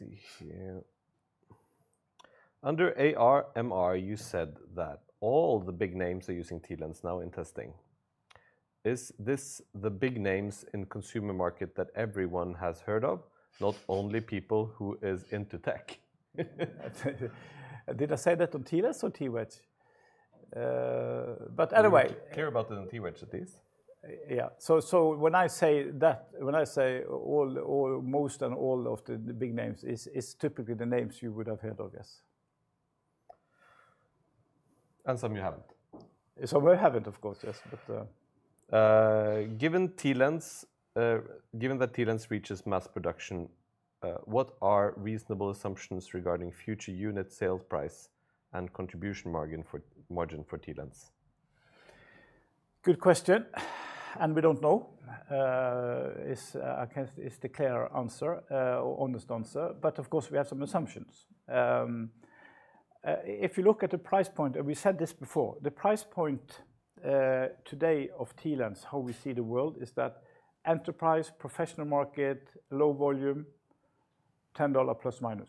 Let's see here. Under AR/MR, you said that all the big names are using TLens now in testing. Is this the big names in the consumer market that everyone has heard of, not only people who are into tech? Did I say that on TLens or T-Wedge? Anyway. Clear about it on T-Wedge, at least. Yeah, when I say that, when I say all or most and all of the big names, it's typically the names you would have heard of, yes. Some you haven't. Some I haven't, of course. Yes. Given that TLens reaches mass production, what are reasonable assumptions regarding future unit sales price and contribution margin for TLens? Good question. We don't know is the clear answer, honest answer. Of course, we have some assumptions. If you look at the price point, and we said this before, the price point today of TLens, how we see the world, is that enterprise, professional market, low volume, $10±.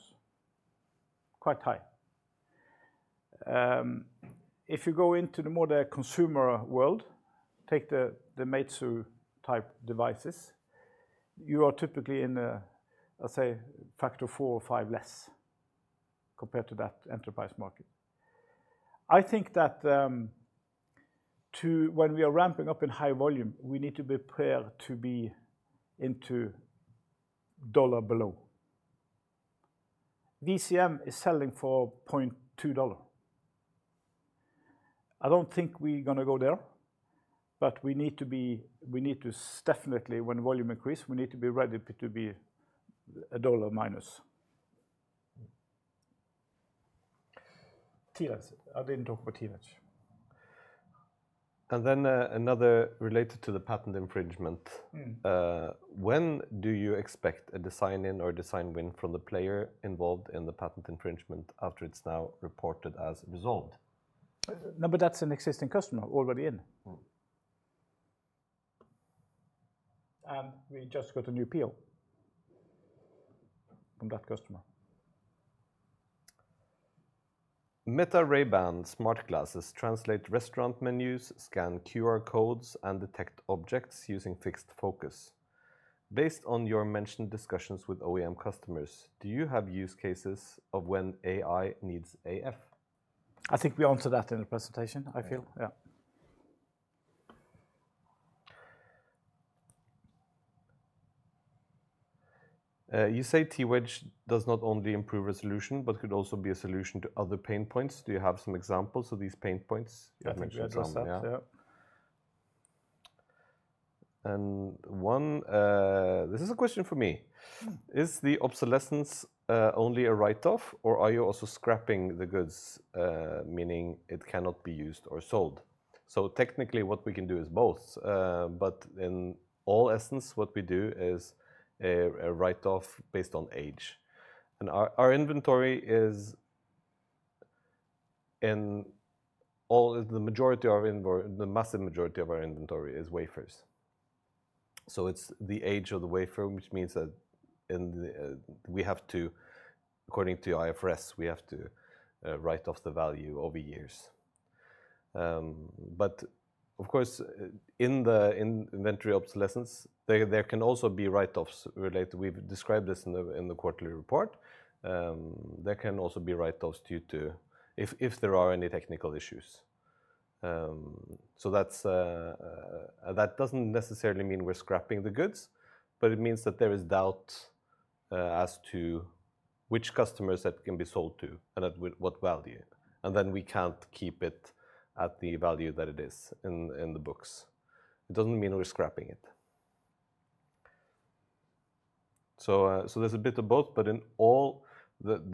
Quite high. If you go into the more consumer world, take the Metsu type devices, you are typically in a, I'll say, factor four or five less compared to that enterprise market. I think that when we are ramping up in high volume, we need to be prepared to be into dollar below. DCM is selling for $0.20. I don't think we're going to go there, but we need to definitely, when volume increases, we need to be ready to be a dollar minus. TLens, I didn't talk about T-Wedge. Regarding the patent infringement, when do you expect a design-in or a design win from the player involved in the patent infringement after it's now reported as resolved? No, that's an existing customer already in. We just got a new appeal from that customer. Meta Ray-Ban smart glasses translate restaurant menus, scan QR codes, and detect objects using fixed focus. Based on your mentioned discussions with OEM customers, do you have use cases of when AI needs AF? I think we answered that in the presentation. I feel, yeah. You say T-Wedge does not only improve resolution, but could also be a solution to other pain points. Do you have some examples of these pain points? I think so. This is a question for me. Is the obsolescence only a write-off, or are you also scrapping the goods, meaning it cannot be used or sold? Technically, what we can do is both. In all essence, what we do is a write-off based on age. The majority of our inventory, the massive majority of our inventory, is wafers. It's the age of the wafer, which means that we have to, according to IFRS, write off the value over years. Of course, in the inventory obsolescence, there can also be write-offs related. We've described this in the quarterly report. There can also be write-offs if there are any technical issues. That doesn't necessarily mean we're scrapping the goods, but it means that there is doubt as to which customers it can be sold to and at what value. We can't keep it at the value that it is in the books. It doesn't mean we're scrapping it. There's a bit of both, but in the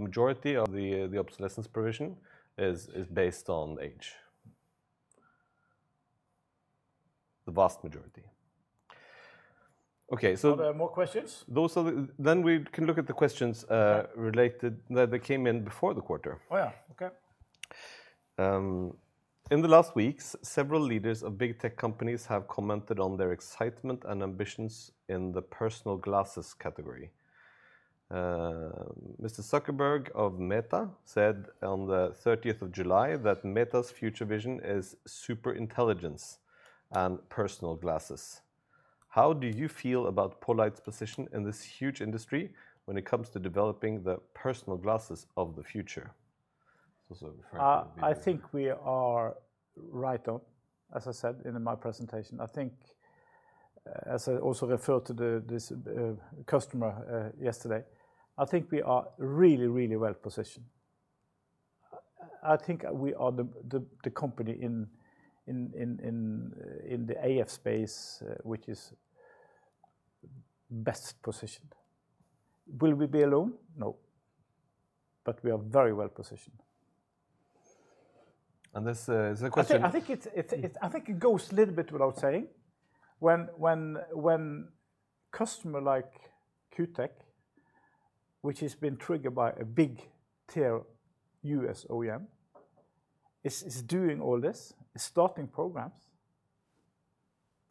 majority, the obsolescence provision is based on age. The vast majority. Okay. There are more questions? We can look at the questions related that came in before the quarter. Oh, yeah. Okay. In the last weeks, several leaders of big tech companies have commented on their excitement and ambitions in the personal glasses category. Mr. Zuckerberg of Meta said on the 30th of July that Meta's future vision is super intelligence and personal glasses. How do you feel about poLight's position in this huge industry when it comes to developing the personal glasses of the future? I think we are right on, as I said in my presentation. I think, as I also referred to this customer yesterday, we are really, really well positioned. I think we are the company in the AF space, which is best positioned. Will we be alone? No, but we are very well positioned. This is a question. I think it goes a little bit without saying. When customers like Q Technology Group, which has been triggered by a big-tier U.S. OEM, is doing all this, is starting programs,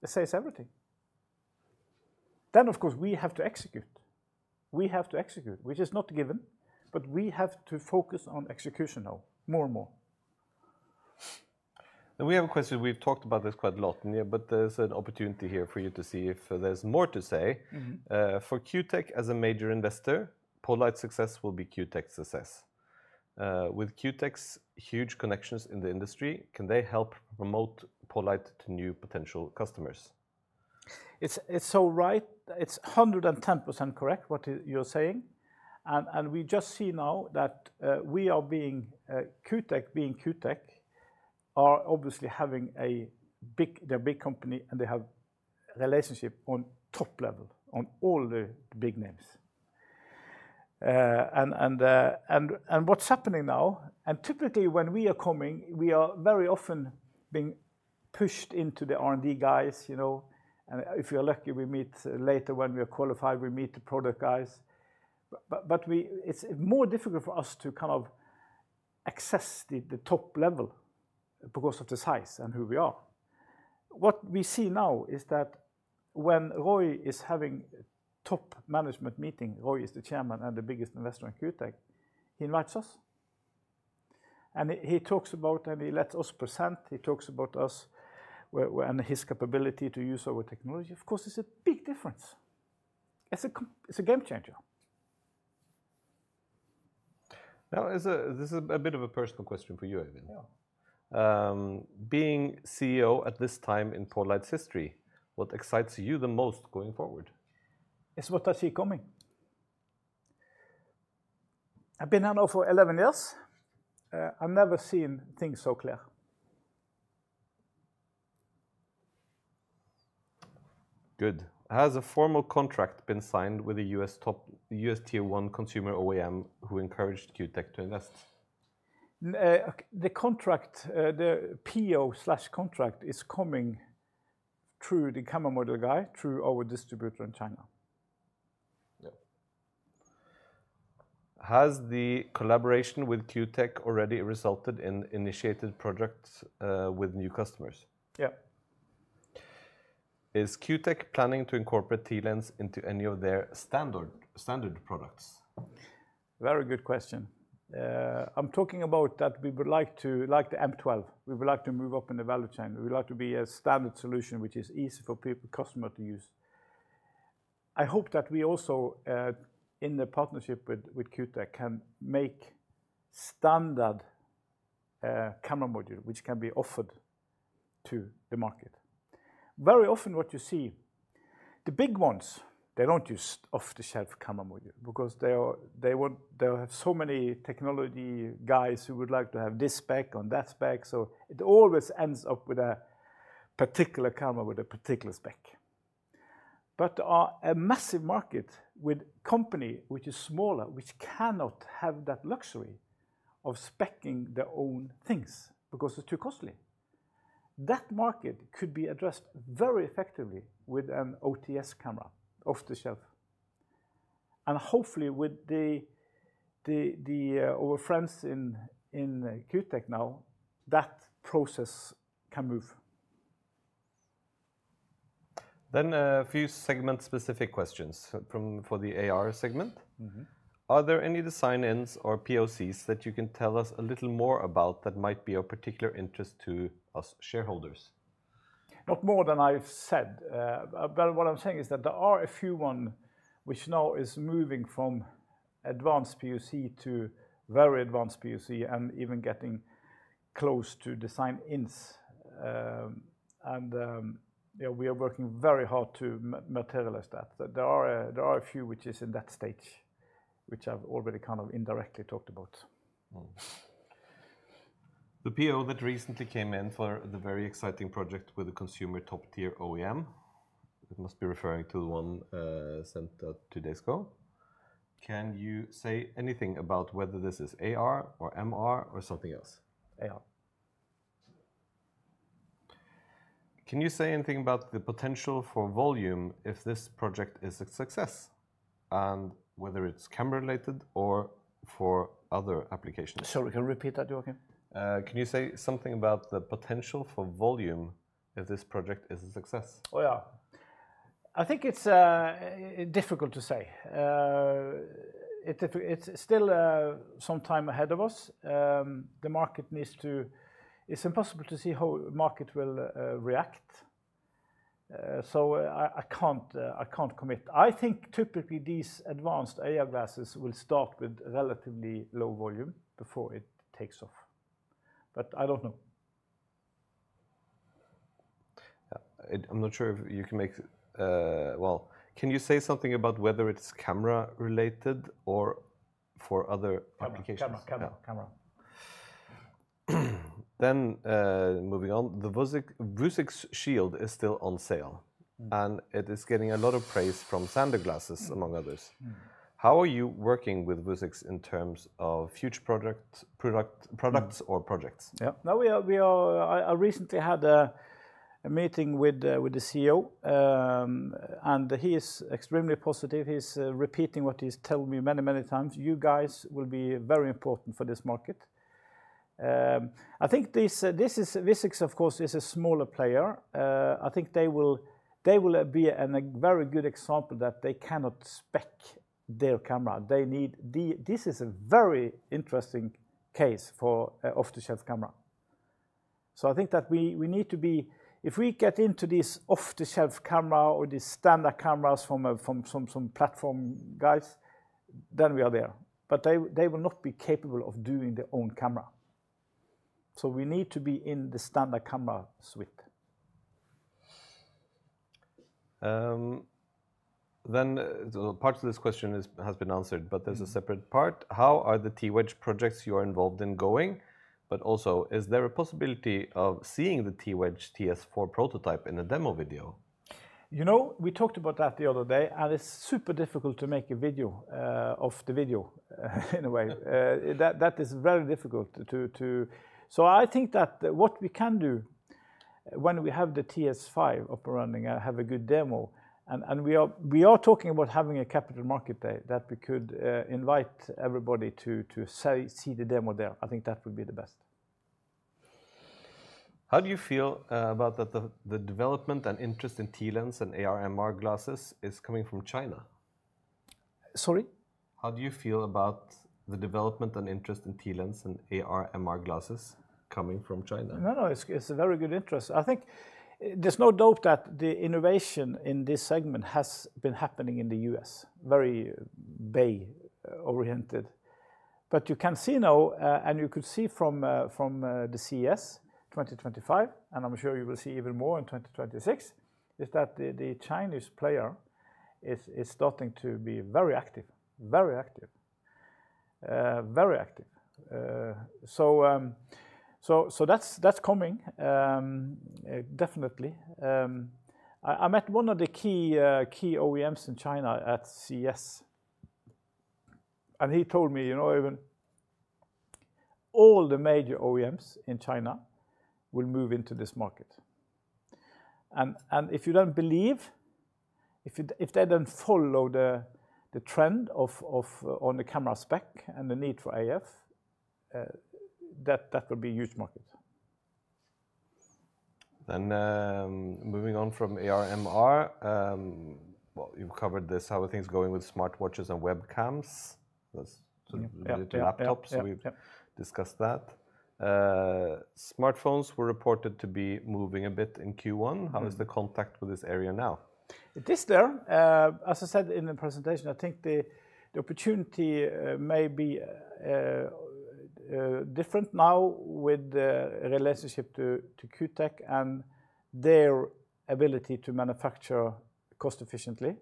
it says everything. Of course, we have to execute. We have to execute, which is not a given, but we have to focus on execution now, more and more. We have a question. We've talked about this quite a lot, but there's an opportunity here for you to see if there's more to say. For Q tech as a major investor, poLight's success will be Q tech's success. With Q tech's huge connections in the industry, can they help promote poLight to new potential customers? It's so right. It's 110% correct, what you're saying. We just see now that Q Technology Group being Q tech are obviously having a big... They're a big company, and they have a relationship on top level on all the big names. What's happening now, and typically when we are coming, we are very often being pushed into the R&D guys. You know, if we are lucky, we meet later when we are qualified, we meet the product guys. It's more difficult for us to kind of access the top level because of the size and who we are. What we see now is that when Roy is having a top management meeting, Roy is the Chairman and the biggest investor in Q tech, he invites us. He talks about, and he lets us. present. He talks about us and his capability to use our technology. Of course, it's a big difference. It's a game changer. Now, this is a bit of a personal question for you, Øyvind. Being CEO at this time in poLight's history, what excites you the most going forward? It's what I see coming. I've been here now for 11 years, and I've never seen things so clear. Good. Has a formal contract been signed with a U.S. top U.S. tier one consumer OEM who encouraged Q tech to invest? The contract, the PO/contract is coming through the camera module guy, through our distributor in China. Has the collaboration with Q tech already resulted in initiated projects with new customers? Yeah. Is Q tech planning to incorporate TLens into any of their standard products? Very good question. I'm talking about that we would like to, like the M12, we would like to move up in the value chain. We would like to be a standard solution, which is easy for people, customers to use. I hope that we also, in the partnership with Q tech, can make standard camera modules, which can be offered to the market. Very often what you see, the big ones, they don't use off-the-shelf camera modules because they have so many technology guys who would like to have this spec on that spec. It always ends up with a particular camera with a particular spec. There is a massive market with a company which is smaller, which cannot have that luxury of speccing their own things because it's too costly. That market could be addressed very effectively with an OTS camera, off-the-shelf. Hopefully, with our friends in Q tech now, that process can move. A few segment-specific questions for the AR segment. Are there any design-ins or POCs that you can tell us a little more about that might be of particular interest to us shareholders? Not more than I've said. What I'm saying is that there are a few ones which now are moving from advanced POC to very advanced POC and even getting close to design-ins. We are working very hard to materialize that. There are a few which are in that stage, which I've already kind of indirectly talked about. The PO that recently came in for the very exciting project with a consumer top-tier OEM, it must be referring to the one sent out two days ago. Can you say anything about whether this is AR/MR or something else? AR. Can you say anything about the potential for volume if this project is a success, and whether it's camera-related or for other applications? Sorry, can you repeat that, Joakim? Can you say something about the potential for volume if this project is a success? Yeah, I think it's difficult to say. It's still some time ahead of us. The market needs to... It's impossible to see how the market will react. I can't commit. I think typically these advanced AR glasses will start with relatively low volume before it takes off. I don't know. I'm not sure if you can make... Can you say something about whether it's camera-related or for other applications? Camera, camera. Moving on, the Vuzix Shield is still on sale, and it is getting a lot of praise from Sandglasses, among others. How are you working with Vuzix in terms of future products or projects? Yeah. I recently had a meeting with the CEO, and he is extremely positive. He's repeating what he's telling me many, many times. You guys will be very important for this market. I think Vuzix, of course, is a smaller player. I think they will be a very good example that they cannot spec their camera. This is a very interesting case for off-the-shelf camera. I think that we need to be, if we get into this off-the-shelf camera or these standard cameras from some platform guys, then we are there. They will not be capable of doing their own camera. We need to be in the standard camera suite. Part of this question has been answered, but there's a separate part. How are the T-Wedge projects you are involved in going? Also, is there a possibility of seeing the T-Wedge TS4 prototype in a demo video? You know. We talked about that the other day, and it's super difficult to make a video of the video, in a way. That is very difficult to... I think that what we can do when we have the TS5 up and running and have a good demo, and we are talking about having a capital market day, we could invite everybody to see the demo there. I think that would be the best. How do you feel about the development and interest in TLens and AR/MR glasses coming from China? Sorry? How do you feel about the development and interest in TLens and AR/MR glasses coming from China? No, no, it's a very good interest. I think there's no doubt that the innovation in this segment has been happening in the U.S., very Bay-oriented. You can see now, and you could see from the CES 2025, and I'm sure you will see even more in 2026, that the Chinese player is starting to be very active, very active. That's coming, definitely. I met one of the key OEMs in China at CES, and he told me, you know, all the major OEMs in China will move into this market. If you don't believe, if they don't follow the trend on the camera spec and the Nitro AF, that will be a huge market. Moving on from AR/MR, you've covered this. How are things going with smartwatches and webcams? Yep. Laptops, we've discussed that. Smartphones were reported to be moving a bit in Q1. How is the contact with this area now? It is there. As I said in the presentation, I think the opportunity may be different now with the relationship to Q Technology Group and their ability to manufacture cost-efficiently,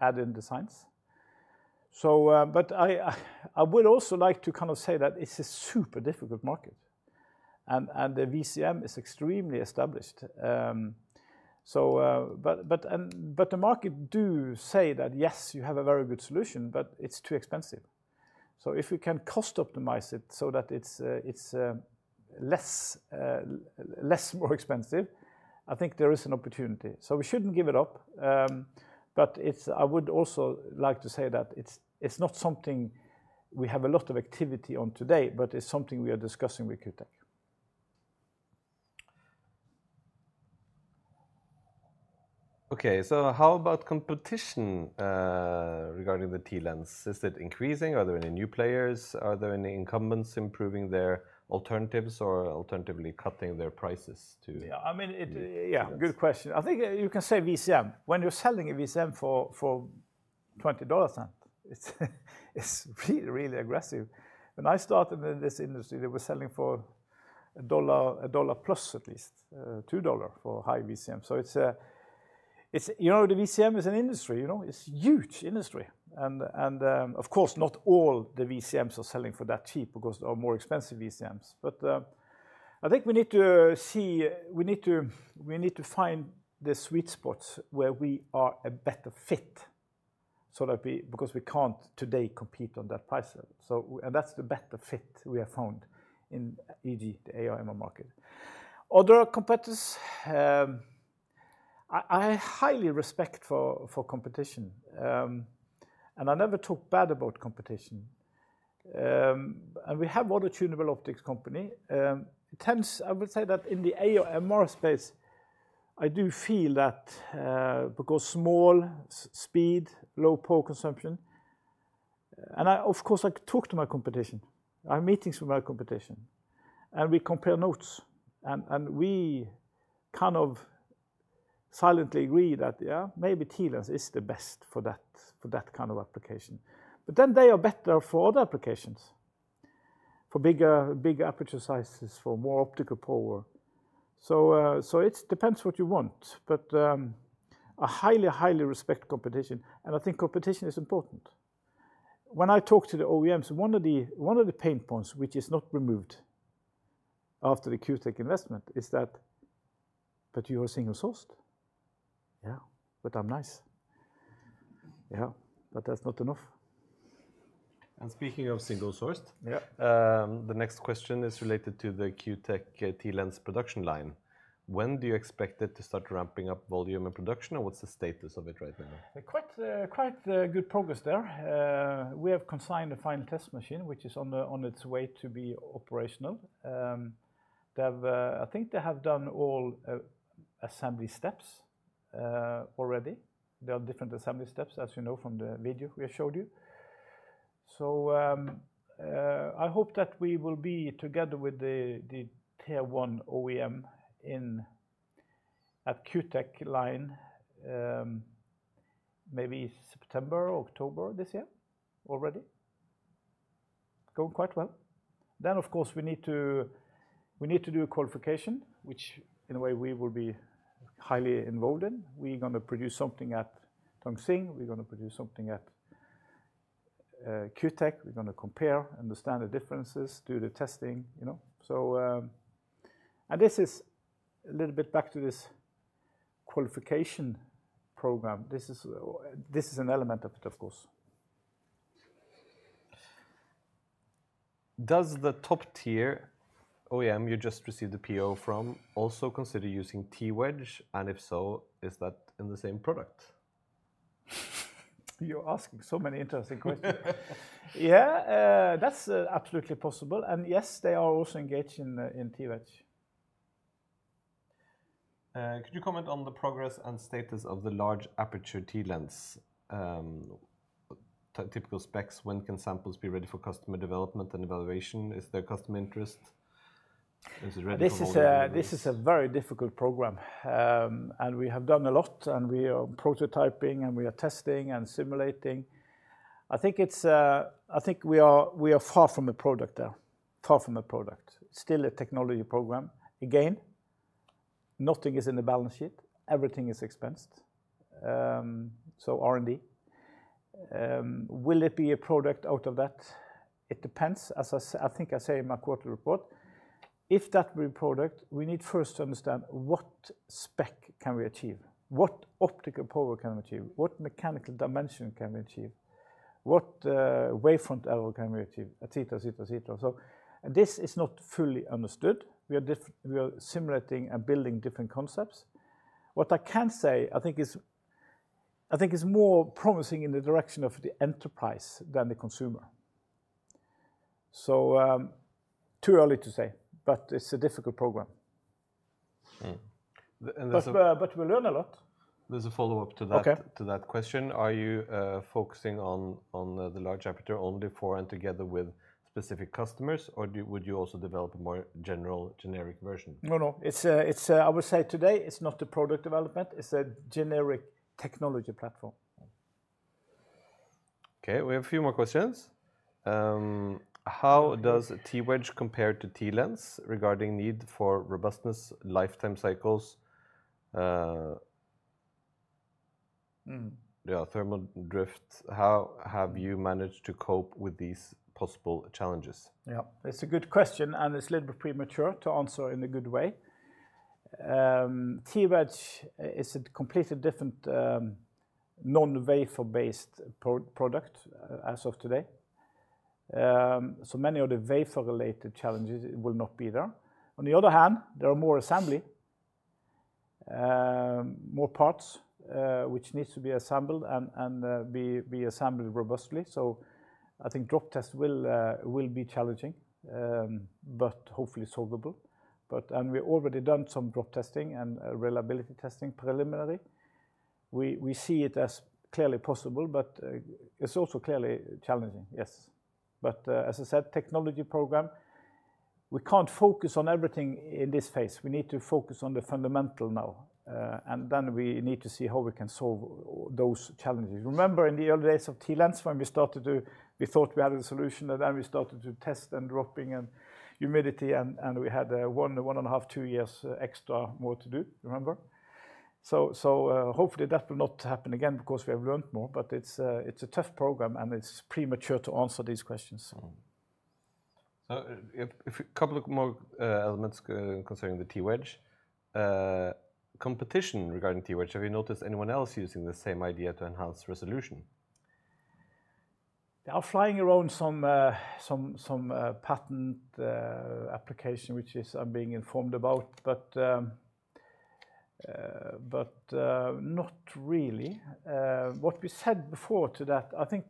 adding designs. I would also like to say that it's a super difficult market. The VCM is extremely established. The market does say that, yes, you have a very good solution, but it's too expensive. If we can cost-optimize it so that it's less expensive, I think there is an opportunity. We shouldn't give it up. I would also like to say that it's not something we have a lot of activity on today, but it's something we are discussing with Q Technology Group. Okay, so how about competition regarding the TLens? Is it increasing? Are there any new players? Are there any incumbents improving their alternatives or alternatively cutting their prices? Yeah, good question. I think you can say VCM. When you're selling a VCM for $20, it's really, really aggressive. When I started in this industry, they were selling for $1+ at least, $2 for high VCM. The VCM is an industry, it's a huge industry. Of course, not all the VCMs are selling for that cheap because of more expensive VCMs. I think we need to see, we need to find the sweet spots where we are a better fit, because we can't today compete on that price level. That's the better fit we have found in the AR/MR market. Are there competitors? I highly respect competition. I never talk bad about competition. We have another tunable optics company. I would say that in the AR/MR space, I do feel that because small speed, low power consumption, and of course I talk to my competition. I have meetings with my competition. We compare notes. We kind of silently agree that, yeah, maybe TLens is the best for that kind of application. Then they are better for other applications, for bigger aperture sizes, for more optical power. It depends what you want. I highly, highly respect competition. I think competition is important. When I talk to the OEMs, one of the pain points which is not removed after the Q Technology Group investment is that, but you're single sourced. Yeah, but I'm nice. Yeah, but that's not enough. Speaking of single sourced, the next question is related to the Q Technology Group TLens production line. When do you expect it to start ramping up volume and production? What's the status of it right now? Quite good progress there. We have consigned a final test machine, which is on its way to be operational. I think they have done all assembly steps already. There are different assembly steps, as you know from the video we have showed you. I hope that we will be together with the tier one OEM at Q Technology Group line, maybe September, October this year, already. Going quite well. Of course, we need to do a qualification, which in a way we will be highly involved in. We're going to produce something at Tongxing. We're going to produce something at Q Technology Group. We're going to compare, understand the differences, do the testing, you know. This is a little bit back to this qualification program. This is an element of it, of course. Does the top tier OEM you just received the PO from also consider using T-Wedge? If so, is that in the same product? You're asking so many interesting questions. That's absolutely possible. Yes, they are also engaged in T-Wedge. Could you comment on the progress and status of the large aperture TLens? Typical specs, when can samples be ready for customer development and evaluation? Is there customer interest? This is a very difficult program. We have done a lot, and we are prototyping, testing, and simulating. I think we are far from a product there, far from a product. It is still a technology program. Nothing is in the balance sheet; everything is expensed, so R&D. Will it be a product out of that? It depends. As I think I say in my quarterly report, if that were a product, we need first to understand what spec can we achieve, what optical power can we achieve, what mechanical dimension can we achieve, what wavefront error can we achieve, et cetera, et cetera, et cetera. This is not fully understood. We are simulating and building different concepts. What I can say, I think, is more promising in the direction of the enterprise than the consumer. It is too early to say, but it's a difficult program. We'll learn a lot. There's a follow-up to that question. Are you focusing on the large aperture only for and together with specific customers? Or would you also develop a more general, generic version? No, no. I would say today it's not the product development. It's a generic technology platform. Okay, we have a few more questions. How does T-Wedge compare to TLens regarding need for robustness, lifetime cycles, thermal drift? How have you managed to cope with these possible challenges? Yeah, it's a good question. It's a little bit premature to answer in a good way. T-Wedge is a completely different non-wafer-based product as of today, so many of the wafer-related challenges will not be there. On the other hand, there are more assembly, more parts which need to be assembled and be assembled robustly. I think drop tests will be challenging, but hopefully solvable. We've already done some drop testing and reliability testing preliminary. We see it as clearly possible, but it's also clearly challenging, yes. As I said, technology program, we can't focus on everything in this phase. We need to focus on the fundamental now, and then we need to see how we can solve those challenges. Remember in the early days of TLens when we started to, we thought we had a solution and then we started to test and dropping and humidity and we had one and a half, two years extra more to do, remember? Hopefully that will not happen again because we have learned more, but it's a tough program and it's premature to answer these questions. A couple of more elements concerning the T-Wedge. Competition regarding T-Wedge, have you noticed anyone else using the same idea to enhance resolution? They are flying around some patent application which I'm being informed about, but not really. What we said before to that, I think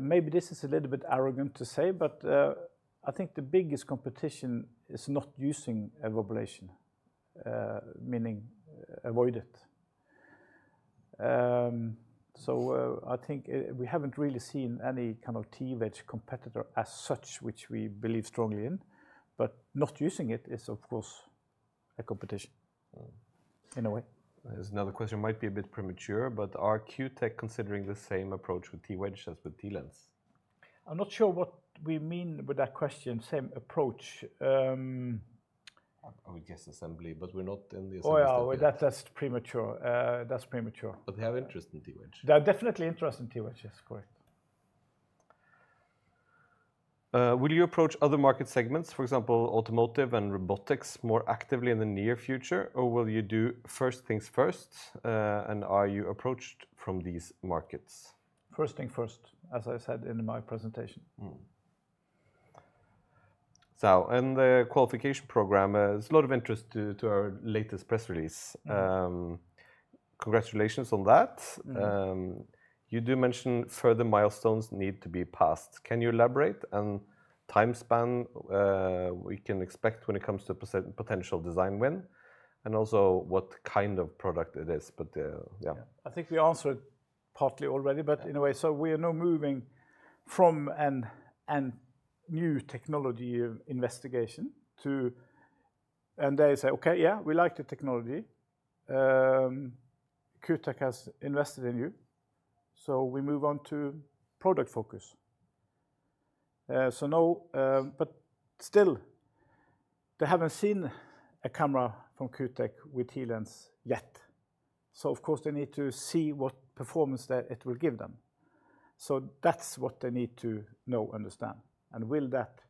maybe this is a little bit arrogant to say, but I think the biggest competition is not using TLens, meaning avoid it. I think we haven't really seen any kind of T-Wedge competitor as such, which we believe strongly in. Not using it is, of course, a competition in a way. Another question might be a bit premature, but are Q tech considering the same approach with T-Wedge as with TLens? I'm not sure what we mean with that question, same approach. I would guess assembly, but we're not in the assembly. Oh, yeah, that's premature. That's premature. They have interest in T-Wedge. They're definitely interested in T-Wedge, yes, correct. Will you approach other market segments, for example, automotive and robotics, more actively in the near future, or will you do first things first, and are you approached from these markets? First things first, as I said in my presentation. In the qualification program, there's a lot of interest to our latest press release. Congratulations on that. You do mention further milestones need to be passed. Can you elaborate on time span we can expect when it comes to a potential design win and also what kind of product it is? I think we answered partly already, but in a way, we are now moving from a new technology investigation to, and they say, okay, yeah, we like the technology. Q Technology Group has invested in you. We move on to product focus. No, but still, they haven't seen a camera from Q Technology Group with TLens yet. Of course, they need to see what performance it will give them. That's what they need to know, understand. Will that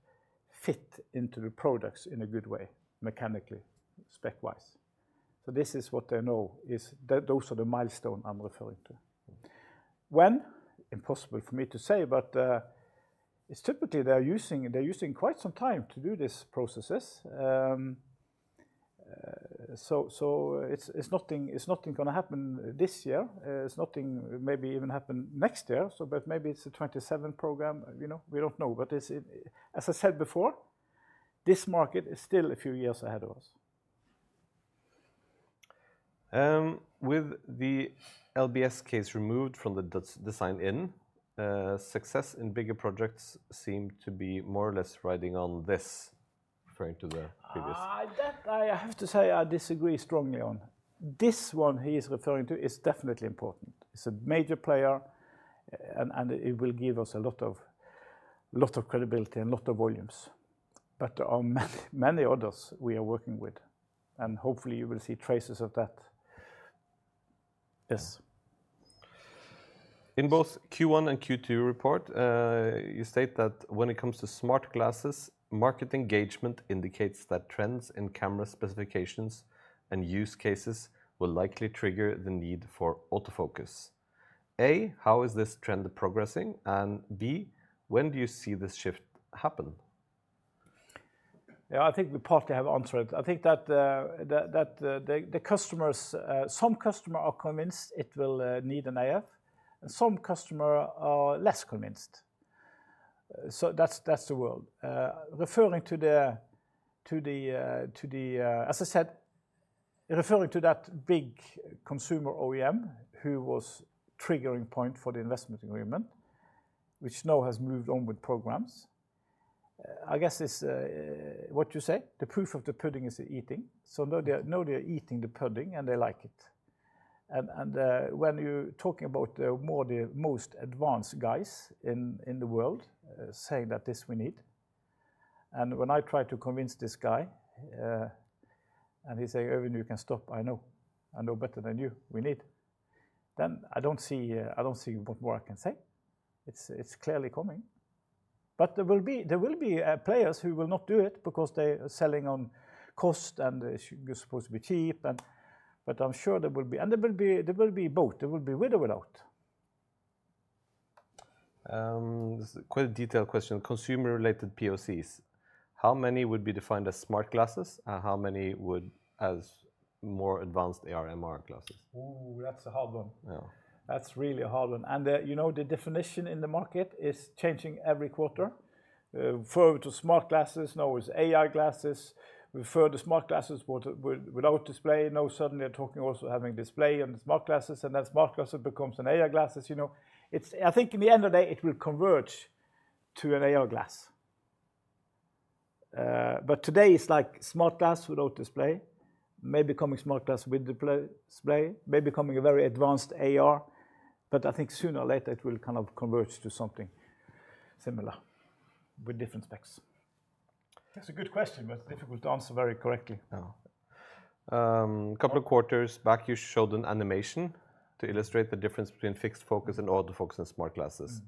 fit into the products in a good way, mechanically, spec-wise? This is what they know. Those are the milestones I'm referring to. When? Impossible for me to say, but it's typically they're using quite some time to do these processes. Nothing is going to happen this year. Nothing maybe even happen next year. Maybe it's a 2027 program. You know, we don't know. As I said before, this market is still a few years ahead of us. With the LBS case removed from the design-in, success in bigger projects seems to be more or less riding on this, referring to their previous. I have to say I disagree strongly on this one. He is referring to is definitely important. It's a major player, and it will give us a lot of credibility and a lot of volumes. There are many others we are working with. Hopefully you will see traces of that. In both Q1 and Q2 report, you state that when it comes to smart glasses, market engagement indicates that trends in camera specifications and use cases will likely trigger the need for autofocus. How is this trend progressing? When do you see this shift happen? Yeah, I think we partly have answered. I think that the customers, some customers are convinced it will need an AF, and some customers are less convinced. That's the world. Referring to, as I said, referring to that big consumer OEM who was a triggering point for the investment agreement, which now has moved on with programs. I guess it's what you say, the proof of the pudding is eating. Now they're eating the pudding, and they like it. When you're talking about the most advanced guys in the world saying that this we need, and when I try to convince this guy, and he says, "Even, you can stop. I know. I know better than you. We need." I don't see what more I can say. It's clearly coming. There will be players who will not do it because they're selling on cost, and you're supposed to be cheap. I'm sure there will be, and there will be both. There will be with or without. Quite a detailed question. Consumer-related POCs. How many would be defined as smart glasses, and how many would as more advanced AR/MR glasses? That's a hard one. Yeah, that's really a hard one. You know the definition in the market is changing every quarter. We refer to smart glasses, now it's AI glasses. We refer to smart glasses without display. Now suddenly they're talking also about having display on the smart glasses, and then smart glasses becomes an AI glasses. I think in the end of the day, it will converge to an AR glass. Today it's like smart glass without display, maybe coming smart glass with display, maybe coming a very advanced AR, but I think sooner or later it will kind of converge to something similar with different specs. It's a good question, but difficult to answer very correctly. A couple of quarters back, you showed an animation to illustrate the difference between fixed focus and autofocus in smart glasses.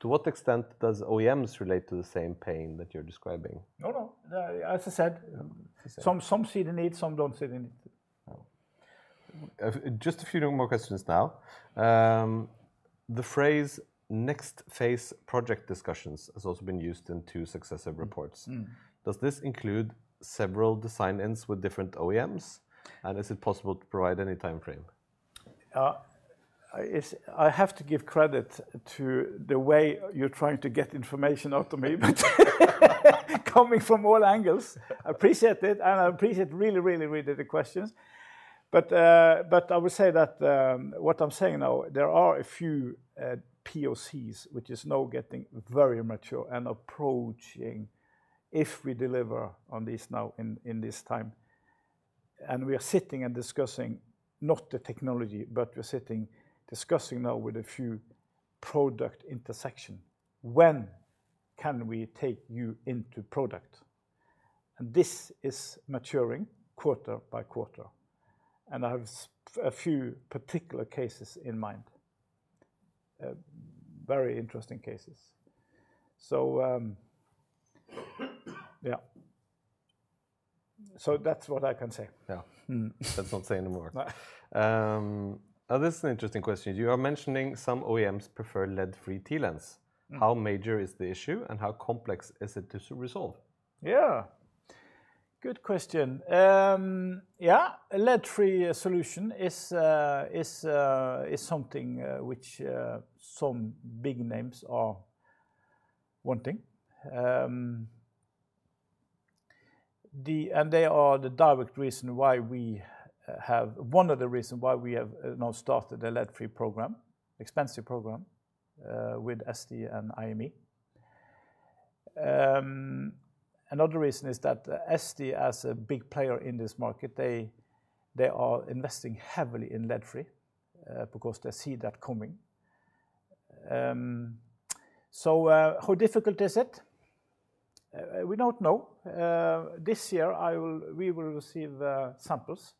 To what extent do OEMs relate to the same pain that you're describing? No, no. As I said, some see the need, some don't see the need. Just a few more questions now. The phrase "next phase project discussions" has also been used in two successive reports. Does this include several design-ins with different OEMs, and is it possible to provide any timeframe? I have to give credit to the way you're trying to get information out of me, coming from all angles. I appreciate it, and I appreciate really, really, really the questions. I would say that what I'm saying now, there are a few POCs, which are now getting very mature and approaching if we deliver on these now in this time. We are sitting and discussing, not the technology, but we're sitting discussing now with a few product intersections. When can we take you into product? This is maturing quarter by quarter. I have a few particular cases in mind, very interesting cases. That's what I can say. Yeah. Let's not say anymore. Now, this is an interesting question. You are mentioning some OEMs prefer lead-free TLens. How major is the issue, and how complex is it to resolve? Yeah. Good question. A lead-free solution is something which some big names are wanting. They are the direct reason why we have, one of the reasons why we have now started a lead-free program, expensive program with SD and IME. Another reason is that SD, as a big player in this market, they are investing heavily in lead-free because they see that coming. How difficult is it? We don't know. This year, we will receive samples.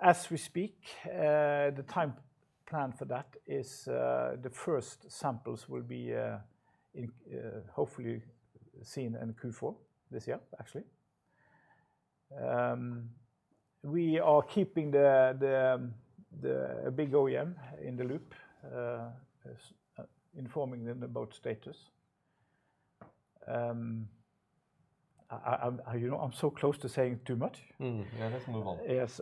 As we speak, the time planned for that is the first samples will be hopefully seen in Q4 this year, actually. We are keeping the big OEM in the loop, informing them about status. You know, I'm so close to saying too much. Yeah, let's move on. Yes,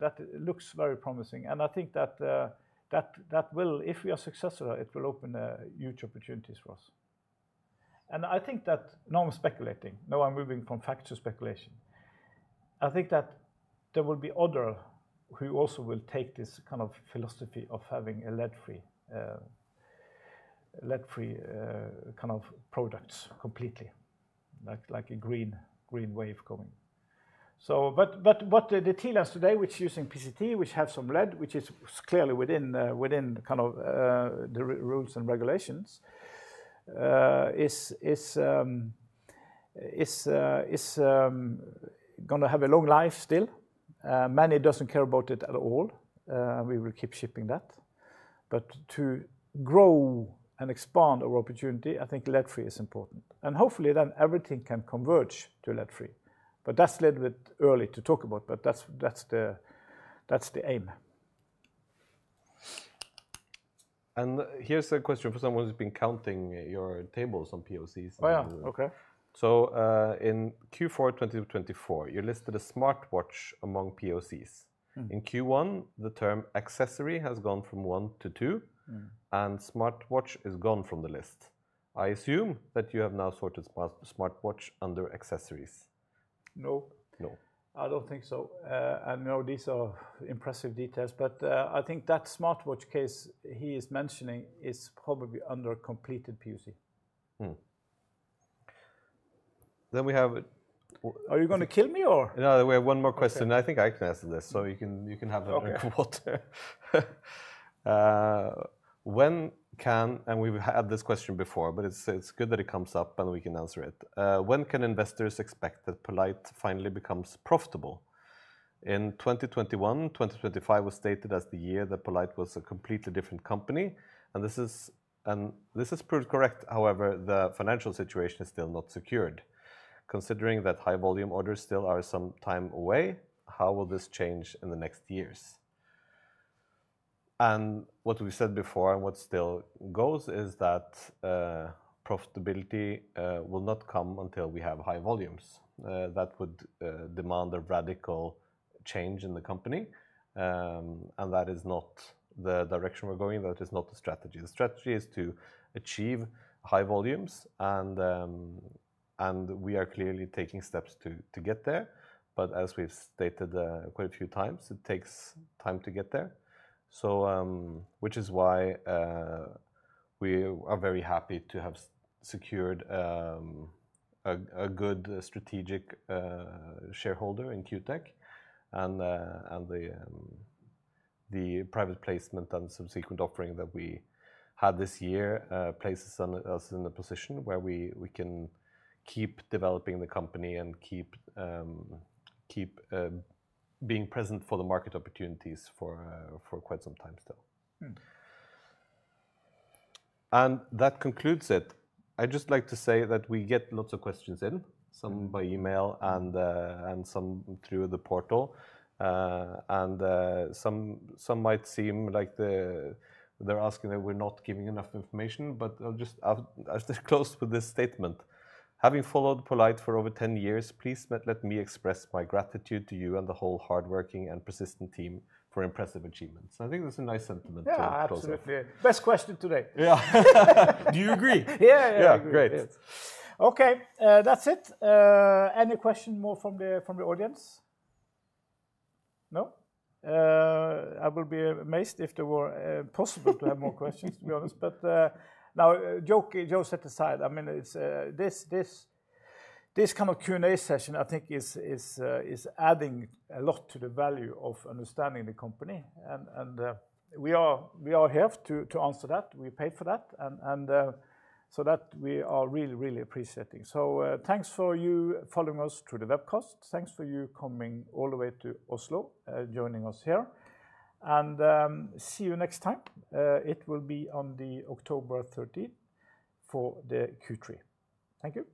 that looks very promising. I think that will, if we are successful, open huge opportunities for us. I think that, now I'm speculating, now I'm moving from fact to speculation, there will be others who also will take this kind of philosophy of having a lead-free kind of products completely, like a green wave coming. What the TLens today, which is using PCT, which has some lead, which is clearly within the rules and regulations, is going to have a long life still. Many don't care about it at all. We will keep shipping that. To grow and expand our opportunity, I think lead-free is important. Hopefully then everything can converge to lead-free. That's a little bit early to talk about, but that's the aim. Here's a question for someone who's been counting your tables on POCs. Oh, yeah. Okay. In Q4 2024, you listed a smartwatch among POCs. In Q1, the term accessory has gone from one to two, and smartwatch is gone from the list. I assume that you have now sorted smartwatch under accessories. Nope. No. I don't think so. These are impressive details, but I think that smartwatch case he is mentioning is probably under completed POC. We have. Are you going to kill me or? No, we have one more question. I think I can answer this, so you can have another quarter. When can, and we've had this question before, but it's good that it comes up and we can answer it. When can investors expect that poLight finally becomes profitable? In 2021, 2025 was stated as the year that poLight was a completely different company. This is proved correct, however, the financial situation is still not secured. Considering that high volume orders still are some time away, how will this change in the next years? What we said before and what still goes is that profitability will not come until we have high volumes. That would demand a radical change in the company. That is not the direction we're going, but it's not the strategy. The strategy is to achieve high volumes, and we are clearly taking steps to get there. As we've stated quite a few times, it takes time to get there. This is why we are very happy to have secured a good strategic shareholder in Q Technology Group. The private placement and subsequent offering that we had this year places us in a position where we can keep developing the company and keep being present for the market opportunities for quite some time still. That concludes it. I'd just like to say that we get lots of questions in, some by email and some through the portal. Some might seem like they're asking that we're not giving enough information, but I'll just ask to close with this statement. Having followed poLight for over 10 years, please let me express my gratitude to you and the whole hardworking and persistent team for impressive achievements. I think it was a nice sentiment. Yeah, absolutely. Best question today. Yeah, do you agree? Yeah, yeah, yeah. Great. Okay, that's it. Any questions more from the audience? No? I will be amazed if there were possible to have more questions, to be honest. Jokes aside, I mean, this kind of Q&A session, I think, is adding a lot to the value of understanding the company. We are here to answer that. We paid for that. We are really, really appreciating. Thanks for you following us through the webcast. Thanks for you coming all the way to Oslo, joining us here. See you next time. It will be on October 13th for the Q3. Thank you.